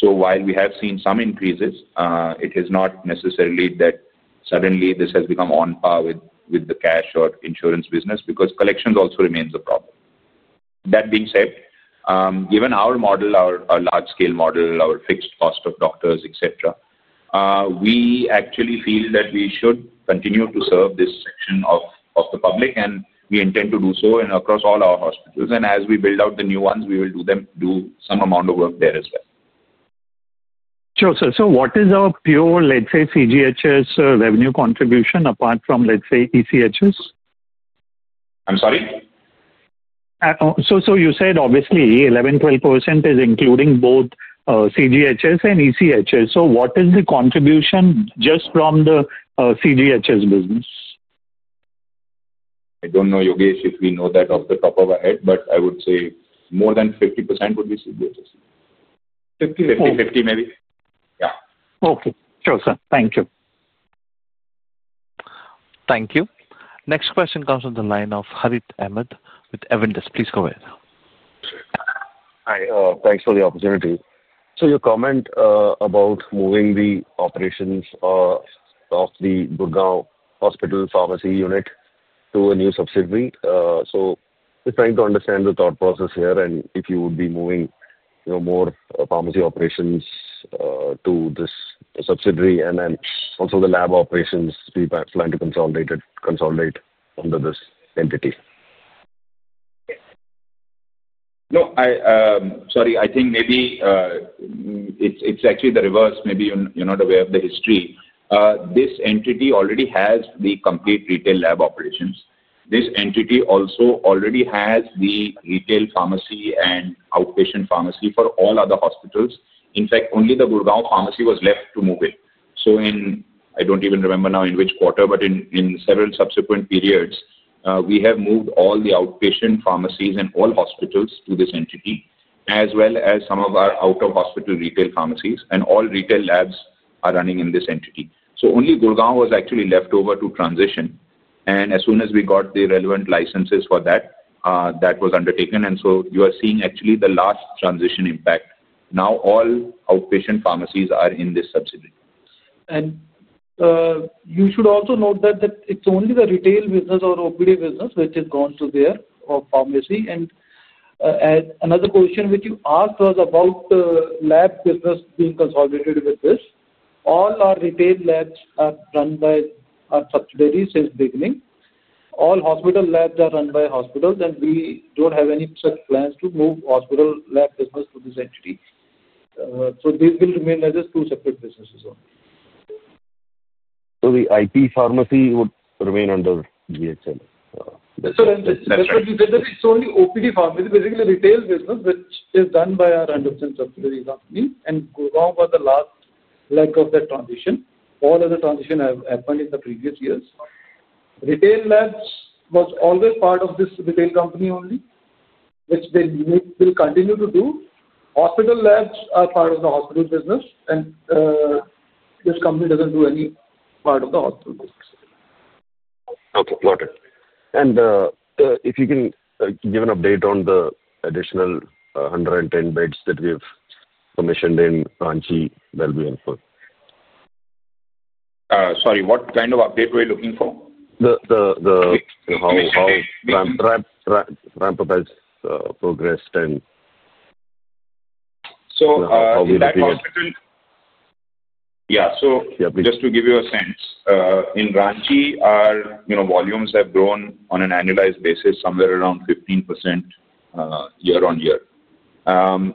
S4: While we have seen some increases, it is not necessarily that suddenly this has become on par with the cash or insurance business because collections also remains a problem. That being said, given our model, our large-scale model, our fixed cost of doctors, et cetera, we actually feel that we should continue to serve this section of the public. We intend to do so across all our hospitals. As we build out the new ones, we will do some amount of work there as well.
S8: Sure. What is our pure, let's say, CGHS revenue contribution apart from, let's say, ECHS?
S4: I'm sorry?
S8: You said obviously 11%, 12% is including both CGHS and ECHS. What is the contribution just from the CGHS business?
S4: I don't know, Yogesh, if we know that off the top of our head, but I would say more than 50% would be CGHS.
S8: 50?
S4: 50 maybe?
S9: Yeah.
S8: Okay. Sure, sir. Thank you.
S1: Thank you. Next question comes from the line of Harith Ahamed with Avendus. Please go ahead.
S10: Hi. Thanks for the opportunity. Your comment about moving the operations of the Gurugram Hospital Pharmacy Unit to a new subsidiary. We're trying to understand the thought process here and if you would be moving more pharmacy operations to this subsidiary and then also the lab operations you plan to consolidate under this entity.
S4: No, sorry. I think maybe it's actually the reverse. Maybe you're not aware of the history. This entity already has the complete retail lab operations. This entity also already has the retail pharmacy and outpatient pharmacy for all other hospitals. In fact, only the Gurugram pharmacy was left to move it. I don't even remember now in which quarter, but in several subsequent periods, we have moved all the outpatient pharmacies in all hospitals to this entity, as well as some of our out-of-hospital retail pharmacies. All retail labs are running in this entity. Only Gurugram was actually left over to transition. As soon as we got the relevant licenses for that, that was undertaken. You are seeing actually the last transition impact. Now all outpatient pharmacies are in this subsidiary.
S9: You should also note that it's only the retail business or OPD business which has gone to their pharmacy. Another question which you asked was about the lab business being consolidated with this. All our retail labs are run by our subsidiaries since the beginning. All hospital labs are run by hospitals. We don't have any such plans to move hospital lab business to this entity. These will remain as two separate businesses only.
S10: The IP pharmacy would remain under GHL?
S9: Sir, and that's what you said. It's only OPD Pharmacy. It's basically a retail business which is done by our GHL Pharma and Diagnostics Private Limited subsidiary company. Gurugram was the last leg of that transition. All other transitions have happened in the previous years. Retail labs was always part of this retail company only, which they will continue to do. Hospital labs are part of the hospital business. This company doesn't do any part of the hospital business.
S10: Okay. Got it. If you can give an update on the additional 110 beds that we have commissioned in Ranchi, that'll be helpful.
S4: Sorry, what kind of update were you looking for?
S10: The how ramp-up has progressed and how will that be?
S4: Yeah. So just to give you a sense, in Ranchi, our volumes have grown on an annualized basis somewhere around 15% year-on-year. The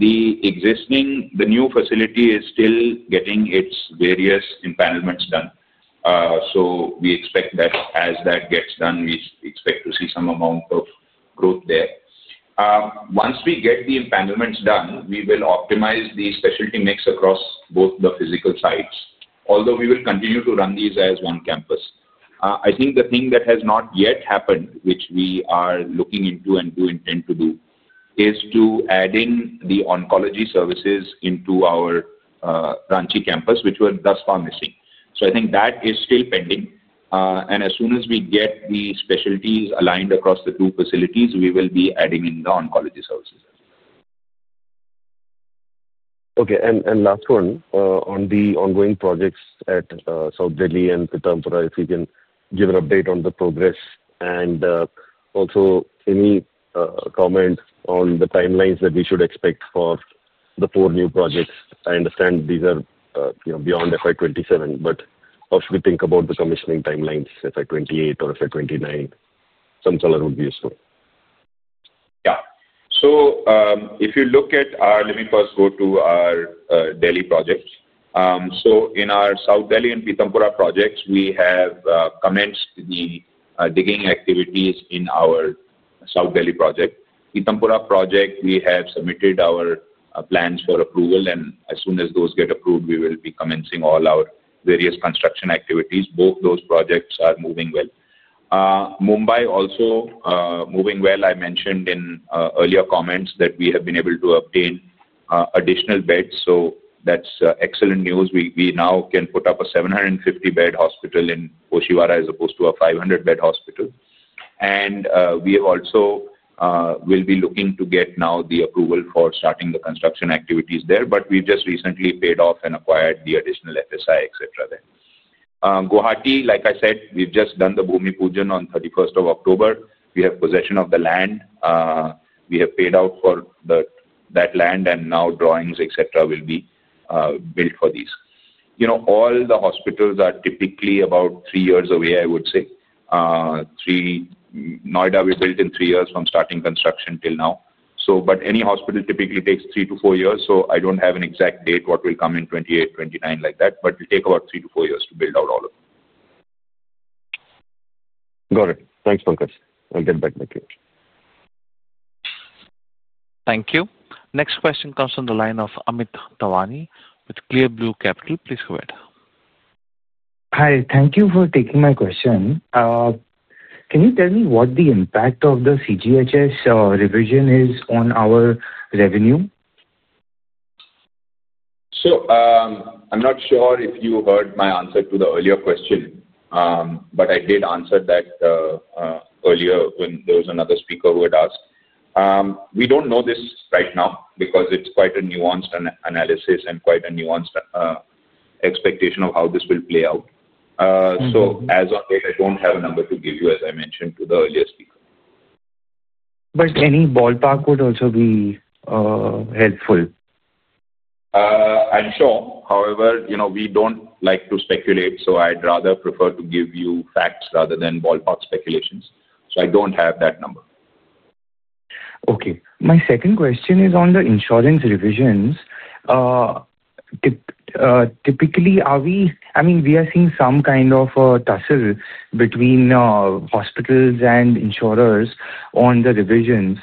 S4: new facility is still getting its various empanelments done. We expect that as that gets done, we expect to see some amount of growth there. Once we get the empanelments done, we will optimize the specialty mix across both the physical sites. Although we will continue to run these as one campus. I think the thing that has not yet happened, which we are looking into and do intend to do, is to add in the oncology services into our Ranchi campus, which were thus far missing. I think that is still pending. As soon as we get the specialties aligned across the two facilities, we will be adding in the oncology services.
S10: Okay. Last one, on the ongoing projects at South Delhi and Pitampura, if you can give an update on the progress and also any comment on the timelines that we should expect for the four new projects. I understand these are beyond FY 2027, but how should we think about the commissioning timelines, FY 2028 or FY 2029? Some color would be useful.
S4: Yeah. So if you look at our, let me first go to our Delhi projects. In our South Delhi and Pitampura projects, we have commenced the digging activities in our South Delhi project. Pitampura project, we have submitted our plans for approval. As soon as those get approved, we will be commencing all our various construction activities. Both those projects are moving well. Mumbai also moving well. I mentioned in earlier comments that we have been able to obtain additional beds. That's excellent news. We now can put up a 750-bed hospital in Oshiwara as opposed to a 500-bed hospital. We also will be looking to get now the approval for starting the construction activities there. We've just recently paid off and acquired the additional FSI, et cetera, there. Guwahati, like I said, we've just done the Bhoomi Pujan on 31st of October. We have possession of the land. We have paid out for that land and now drawings, et cetera, will be built for these. All the hospitals are typically about three years away, I would say. Noida will build in three years from starting construction till now. Any hospital typically takes three to four years. I do not have an exact date what will come in 2028, 2029 like that. It will take about three to four years to build out all of them.
S10: Got it. Thanks, Pankaj. I'll get back to the queue.
S1: Thank you. Next question comes from the line of Amit Thawani with Clear Blue Capital. Please go ahead.
S11: Hi. Thank you for taking my question. Can you tell me what the impact of the CGHS revision is on our revenue?
S4: I'm not sure if you heard my answer to the earlier question, but I did answer that earlier when there was another speaker who had asked. We don't know this right now because it's quite a nuanced analysis and quite a nuanced expectation of how this will play out. As of late, I don't have a number to give you, as I mentioned to the earlier speaker.
S11: Any ballpark would also be helpful.
S4: I'm sure. However, we don't like to speculate. I would rather prefer to give you facts rather than ballpark speculations. I don't have that number.
S11: Okay. My second question is on the insurance revisions. Typically, I mean, we are seeing some kind of tussle between hospitals and insurers on the revisions.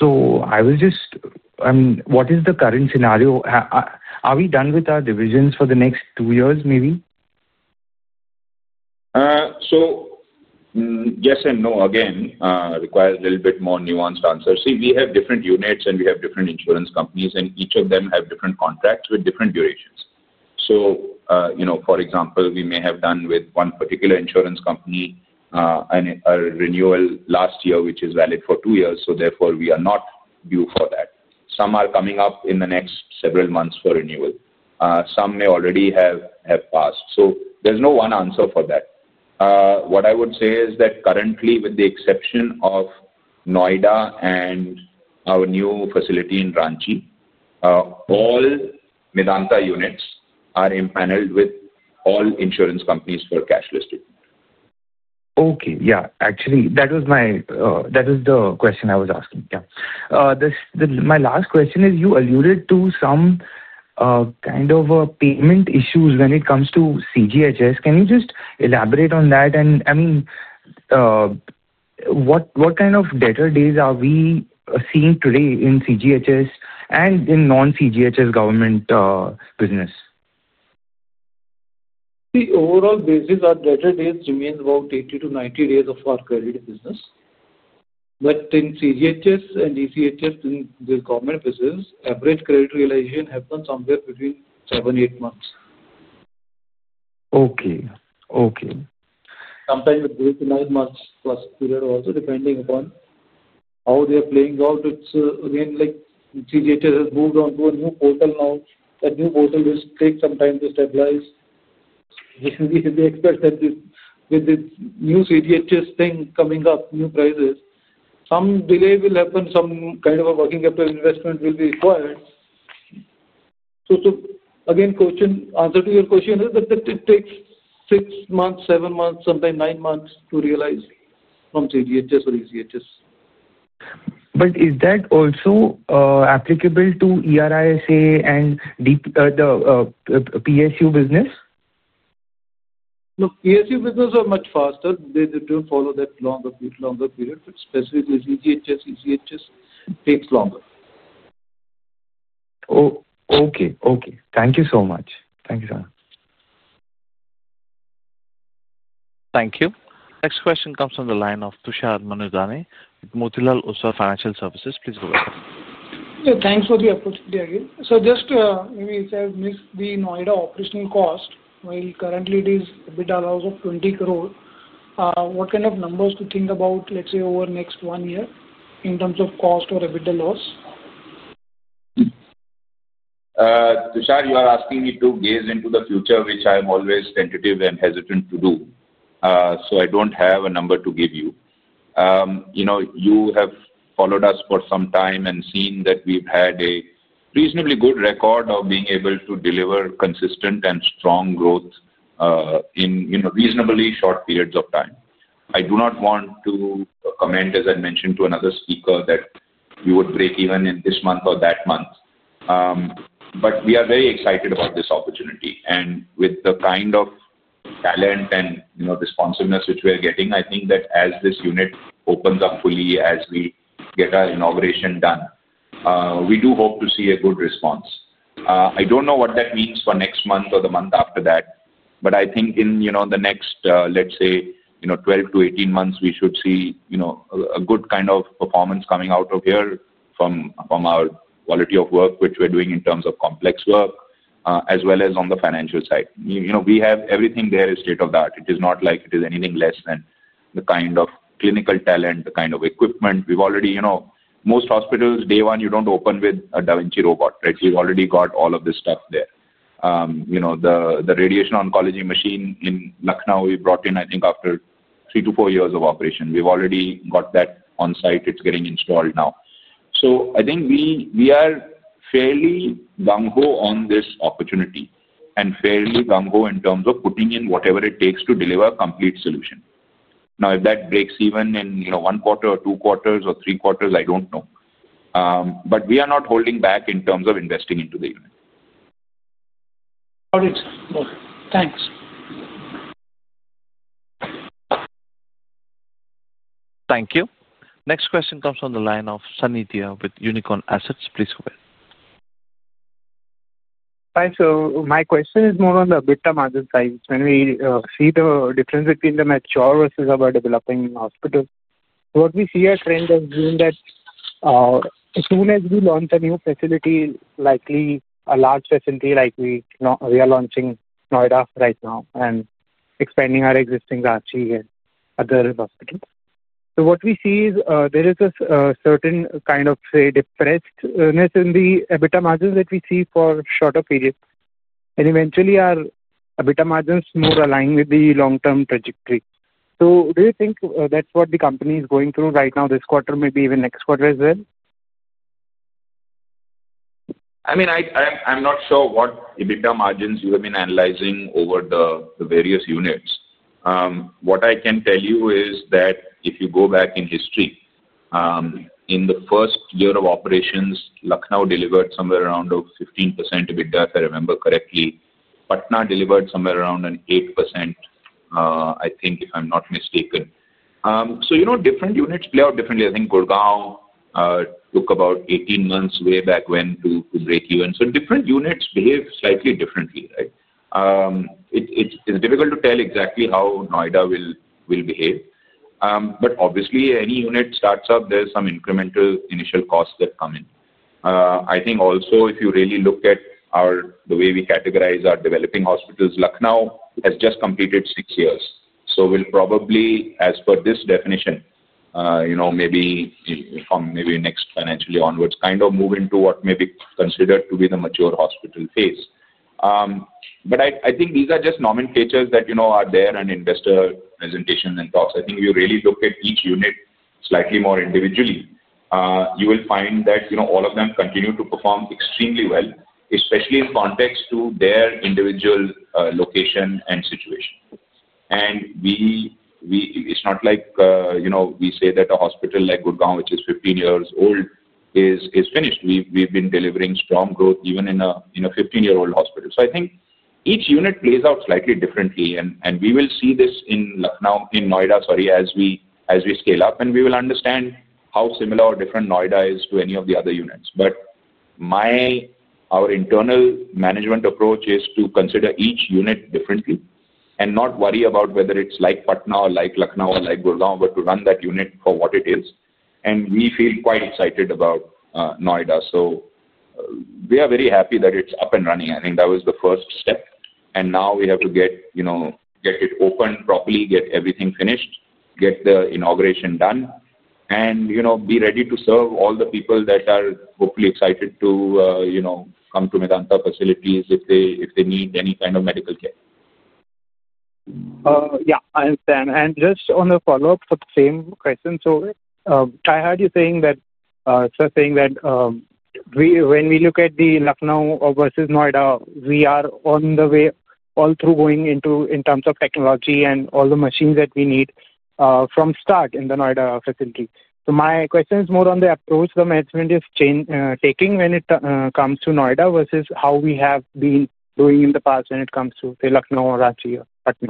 S11: I was just, I mean, what is the current scenario? Are we done with our revisions for the next two years maybe?
S4: Yes and no. Again, requires a little bit more nuanced answer. See, we have different units and we have different insurance companies. Each of them have different contracts with different durations. For example, we may have done with one particular insurance company a renewal last year, which is valid for two years. Therefore, we are not due for that. Some are coming up in the next several months for renewal. Some may already have passed. There is no one answer for that. What I would say is that currently, with the exception of Noida and our new facility in Ranchi, all Medanta units are impaneled with all insurance companies for cashless treatment.
S11: Okay. Yeah. Actually, that was the question I was asking. Yeah. My last question is you alluded to some kind of payment issues when it comes to CGHS. Can you just elaborate on that? I mean, what kind of data days are we seeing today in CGHS and in non-CGHS government business?
S9: See, overall, basis, our data days remain about 80-90 days of our credit business. In CGHS and ECHS, in the government business, average credit realization happens somewhere between seven, eight months.
S11: Okay. Okay.
S9: Sometimes it goes to nine months plus period also, depending upon how they are playing out. It's again, CGHS has moved on to a new portal now. That new portal will take some time to stabilize. Basically, the expert said with this new CGHS thing coming up, new prices, some delay will happen. Some kind of a working capital investment will be required. So again, answer to your question, it takes six months, seven months, sometimes nine months to realize from CGHS or ECHS.
S11: Is that also applicable to ERISA and the PSU business?
S9: Look, PSU business are much faster. They do not follow that longer period. Specifically, CGHS, ECHS takes longer.
S11: Okay. Okay. Thank you so much.
S1: Thank you, sir. Thank you. Next question comes from the line of Tushar Manudhane with Motilal Oswal Financial Services. Please go ahead.
S5: Thanks for the opportunity again. Just maybe it says, "Miss the Noida operational cost." Currently, it is a bit loss of 200 million. What kind of numbers to think about, let's say, over next one year in terms of cost or EBITDA loss?
S4: Tushar, you are asking me to gaze into the future, which I'm always tentative and hesitant to do. I don't have a number to give you. You have followed us for some time and seen that we've had a reasonably good record of being able to deliver consistent and strong growth in reasonably short periods of time. I do not want to comment, as I mentioned to another speaker, that we would break even in this month or that month. We are very excited about this opportunity. With the kind of talent and responsiveness which we are getting, I think that as this unit opens up fully, as we get our inauguration done, we do hope to see a good response. I don't know what that means for next month or the month after that. I think in the next, let's say, 12-18 months, we should see a good kind of performance coming out of here from our quality of work, which we're doing in terms of complex work, as well as on the financial side. We have everything there is state of the art. It is not like it is anything less than the kind of clinical talent, the kind of equipment. We've already, most hospitals, day one, you do not open with a DaVinci XI robot, right? We've already got all of this stuff there. The radiation oncology machine in Lucknow, we brought in, I think, after three to four years of operation. We've already got that on site. It's getting installed now. I think we are fairly gung-ho on this opportunity and fairly gung-ho in terms of putting in whatever it takes to deliver a complete solution. Now, if that breaks even in one quarter or two quarters or three quarters, I do not know. We are not holding back in terms of investing into the unit.
S5: Got it. Thanks.
S1: Thank you. Next question comes from the line of Santhiya with Unicorn Assets. Please go ahead. Hi. So my question is more on the EBITDA margin side. When we see the difference between the mature versus our developing hospitals, what we see a trend has been that as soon as we launch a new facility, likely a large facility, like we are launching Noida right now and expanding our existing Ranchi and other hospitals. What we see is there is a certain kind of, say, depressedness in the EBITDA margins that we see for a shorter period. Eventually, our EBITDA margins more align with the long-term trajectory. Do you think that's what the company is going through right now, this quarter, maybe even next quarter as well?
S4: I mean, I'm not sure what EBITDA margins you have been analyzing over the various units. What I can tell you is that if you go back in history, in the first year of operations, Lucknow delivered somewhere around 15% EBITDA, if I remember correctly. Patna delivered somewhere around an 8%, I think, if I'm not mistaken. Different units play out differently. I think Gurugram took about 18 months way back when to break even. Different units behave slightly differently, right? It's difficult to tell exactly how Noida will behave. Obviously, any unit starts up, there's some incremental initial costs that come in. I think also, if you really look at the way we categorize our developing hospitals, Lucknow has just completed six years. We'll probably, as per this definition, maybe from maybe next financial year onwards, kind of move into what may be considered to be the mature hospital phase. I think these are just nomenclatures that are there in investor presentations and talks. I think if you really look at each unit slightly more individually, you will find that all of them continue to perform extremely well, especially in context to their individual location and situation. It's not like we say that a hospital like Gurugram, which is 15 years old, is finished. We've been delivering strong growth even in a 15-year-old hospital. I think each unit plays out slightly differently. We will see this in Noida, sorry, as we scale up. We will understand how similar or different Noida is to any of the other units. Our internal management approach is to consider each unit differently and not worry about whether it's like Patna or like Lucknow or like Gurugram, but to run that unit for what it is. We feel quite excited about Noida. We are very happy that it's up and running. I think that was the first step. Now we have to get it open properly, get everything finished, get the inauguration done, and be ready to serve all the people that are hopefully excited to come to Medanta facilities if they need any kind of medical care. Yeah. I understand. Just on the follow-up for the same question. I heard you saying that when we look at Lucknow versus Noida, we are on the way all through going into in terms of technology and all the machines that we need from start in the Noida facility. My question is more on the approach the management is taking when it comes to Noida versus how we have been doing in the past when it comes to, say, Lucknow or Ranchi or Patna.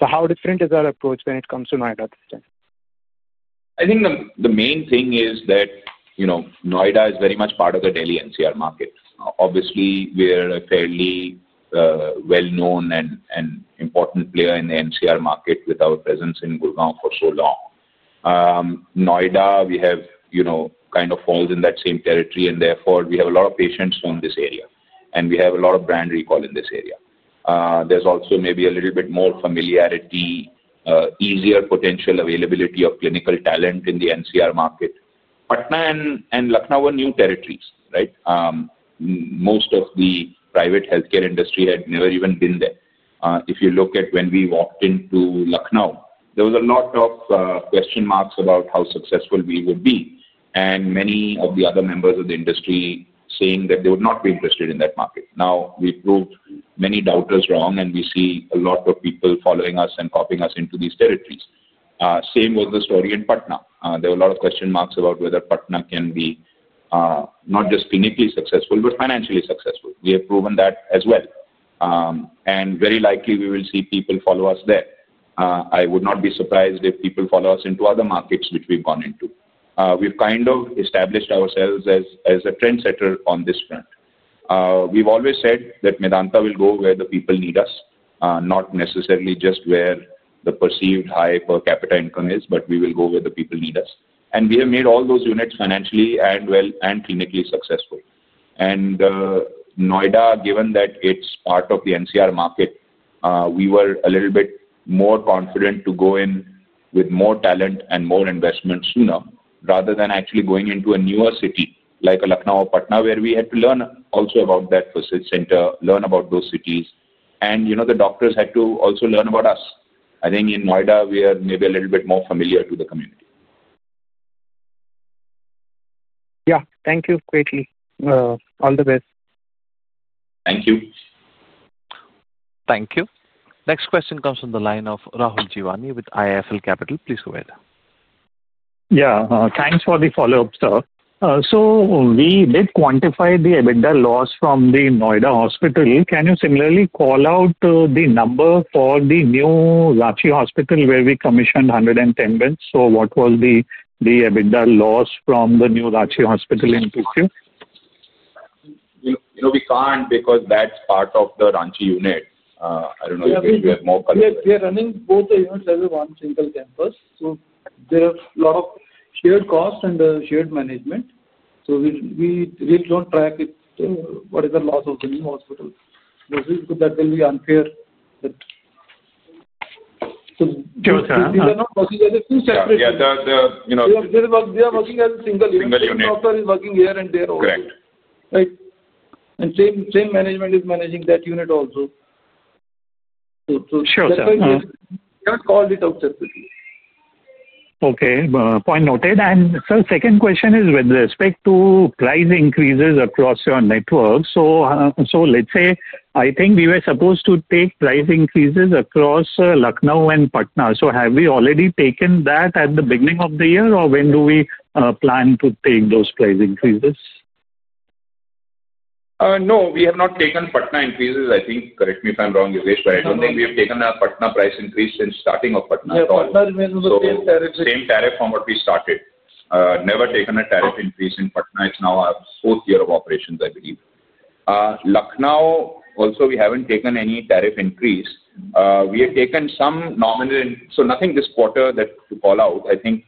S4: How different is our approach when it comes to Noida? I think the main thing is that Noida is very much part of the daily NCR market. Obviously, we are a fairly well-known and important player in the NCR market with our presence in Gurugram for so long. Noida, we have kind of falls in that same territory. Therefore, we have a lot of patients from this area. We have a lot of brand recall in this area. There is also maybe a little bit more familiarity, easier potential availability of clinical talent in the NCR market. Patna and Lucknow are new territories, right? Most of the private healthcare industry had never even been there. If you look at when we walked into Lucknow, there was a lot of question marks about how successful we would be. Many of the other members of the industry saying that they would not be interested in that market. Now, we proved many doubters wrong. We see a lot of people following us and copying us into these territories. Same was the story in Patna. There were a lot of question marks about whether Patna can be not just clinically successful, but financially successful. We have proven that as well. Very likely, we will see people follow us there. I would not be surprised if people follow us into other markets which we've gone into. We've kind of established ourselves as a trendsetter on this front. We've always said that Medanta will go where the people need us, not necessarily just where the perceived high per capita income is, but we will go where the people need us. We have made all those units financially and clinically successful. Noida, given that it's part of the NCR market, we were a little bit more confident to go in with more talent and more investment sooner rather than actually going into a newer city like a Lucknow or Patna where we had to learn also about that facility center, learn about those cities. The doctors had to also learn about us. I think in Noida, we are maybe a little bit more familiar to the community. Yeah. Thank you greatly. All the best. Thank you.
S1: Thank you. Next question comes from the line of Rahul Jeewani with IIFL Capital. Please go ahead.
S8: Yeah. Thanks for the follow-up, sir. We did quantify the EBITDA loss from the Noida hospital. Can you similarly call out the number for the new Ranchi hospital where we commissioned 110 beds? What was the EBITDA loss from the new Ranchi hospital in Q2?
S4: We can't because that's part of the Ranchi unit. I don't know if you have more collaboration.
S9: We are running both the units as one single campus. There are a lot of shared costs and shared management. We really do not track what is the loss of the new hospital. That will be unfair.
S4: Sure, sir.
S9: We are not working as two separate unit.
S4: Yeah.
S9: We are working as a single unit.
S4: Single unit.
S9: The doctor is working here and there also.
S4: Correct.
S9: Right? The same management is managing that unit also. That is why we have called it out separately.
S8: Okay. Point noted. Sir, second question is with respect to price increases across your network. Let's say I think we were supposed to take price increases across Lucknow and Patna. Have we already taken that at the beginning of the year, or when do we plan to take those price increases?
S4: No. We have not taken Patna increases. I think, correct me if I'm wrong, Yogesh, but I don't think we have taken a Patna price increase since starting of Patna at all.
S9: Yeah. Patna remains in the same territory.
S4: Same tariff from what we started. Never taken a tariff increase in Patna. It's now our fourth year of operations, I believe. Lucknow, also, we haven't taken any tariff increase. We have taken some nominal. Nothing this quarter to call out. I think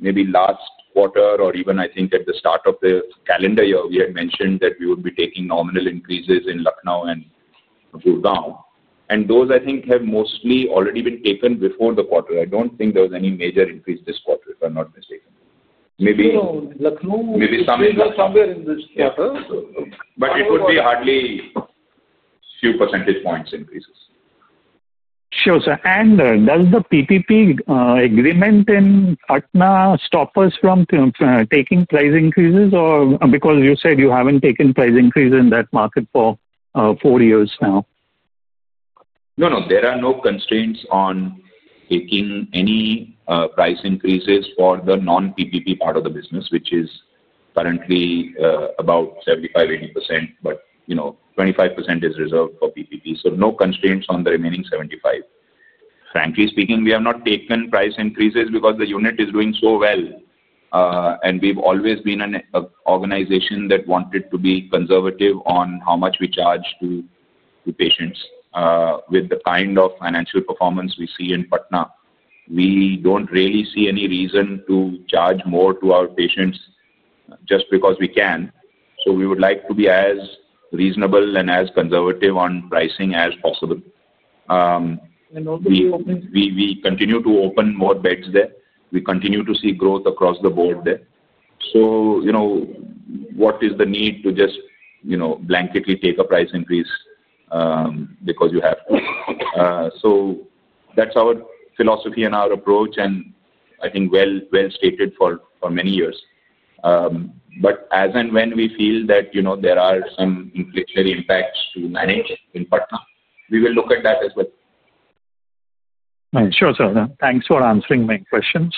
S4: maybe last quarter or even I think at the start of the calendar year, we had mentioned that we would be taking nominal increases in Lucknow and Gurugram. Those, I think, have mostly already been taken before the quarter. I don't think there was any major increase this quarter, if I'm not mistaken. Maybe.
S9: No. Lucknow.
S4: Maybe something like that.
S9: Somewhere in this quarter.
S4: It would be hardly a few percentage points increases.
S8: Sure, sir. Does the PPP agreement in Patna stop us from taking price increases or because you said you haven't taken price increase in that market for four years now?
S4: No, no. There are no constraints on taking any price increases for the non-PPP part of the business, which is currently about 75%, 80% but 25% is reserved for PPP. No constraints on the remaining 75%. Frankly speaking, we have not taken price increases because the unit is doing so well. We have always been an organization that wanted to be conservative on how much we charge to patients. With the kind of financial performance we see in Patna, we do not really see any reason to charge more to our patients just because we can. We would like to be as reasonable and as conservative on pricing as possible.
S9: We open.
S4: We continue to open more beds there. We continue to see growth across the board there. What is the need to just blanketly take a price increase because you have to? That is our philosophy and our approach, and I think well stated for many years. As and when we feel that there are some inflationary impacts to manage in Patna, we will look at that as well.
S8: Sure, sir. Thanks for answering my questions.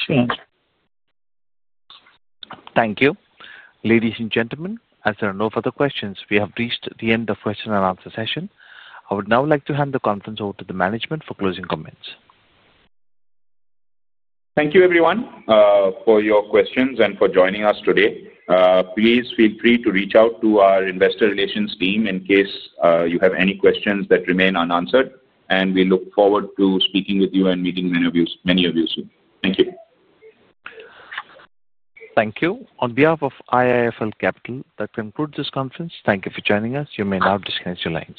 S1: Thank you. Ladies and gentlemen, as there are no further questions, we have reached the end of the question and answer session. I would now like to hand the conference over to the management for closing comments.
S4: Thank you, everyone, for your questions and for joining us today. Please feel free to reach out to our investor relations team in case you have any questions that remain unanswered. We look forward to speaking with you and meeting many of you soon. Thank you.
S1: Thank you. On behalf of IIFL Capital, that concludes this conference. Thank you for joining us. You may now disconnect your lines.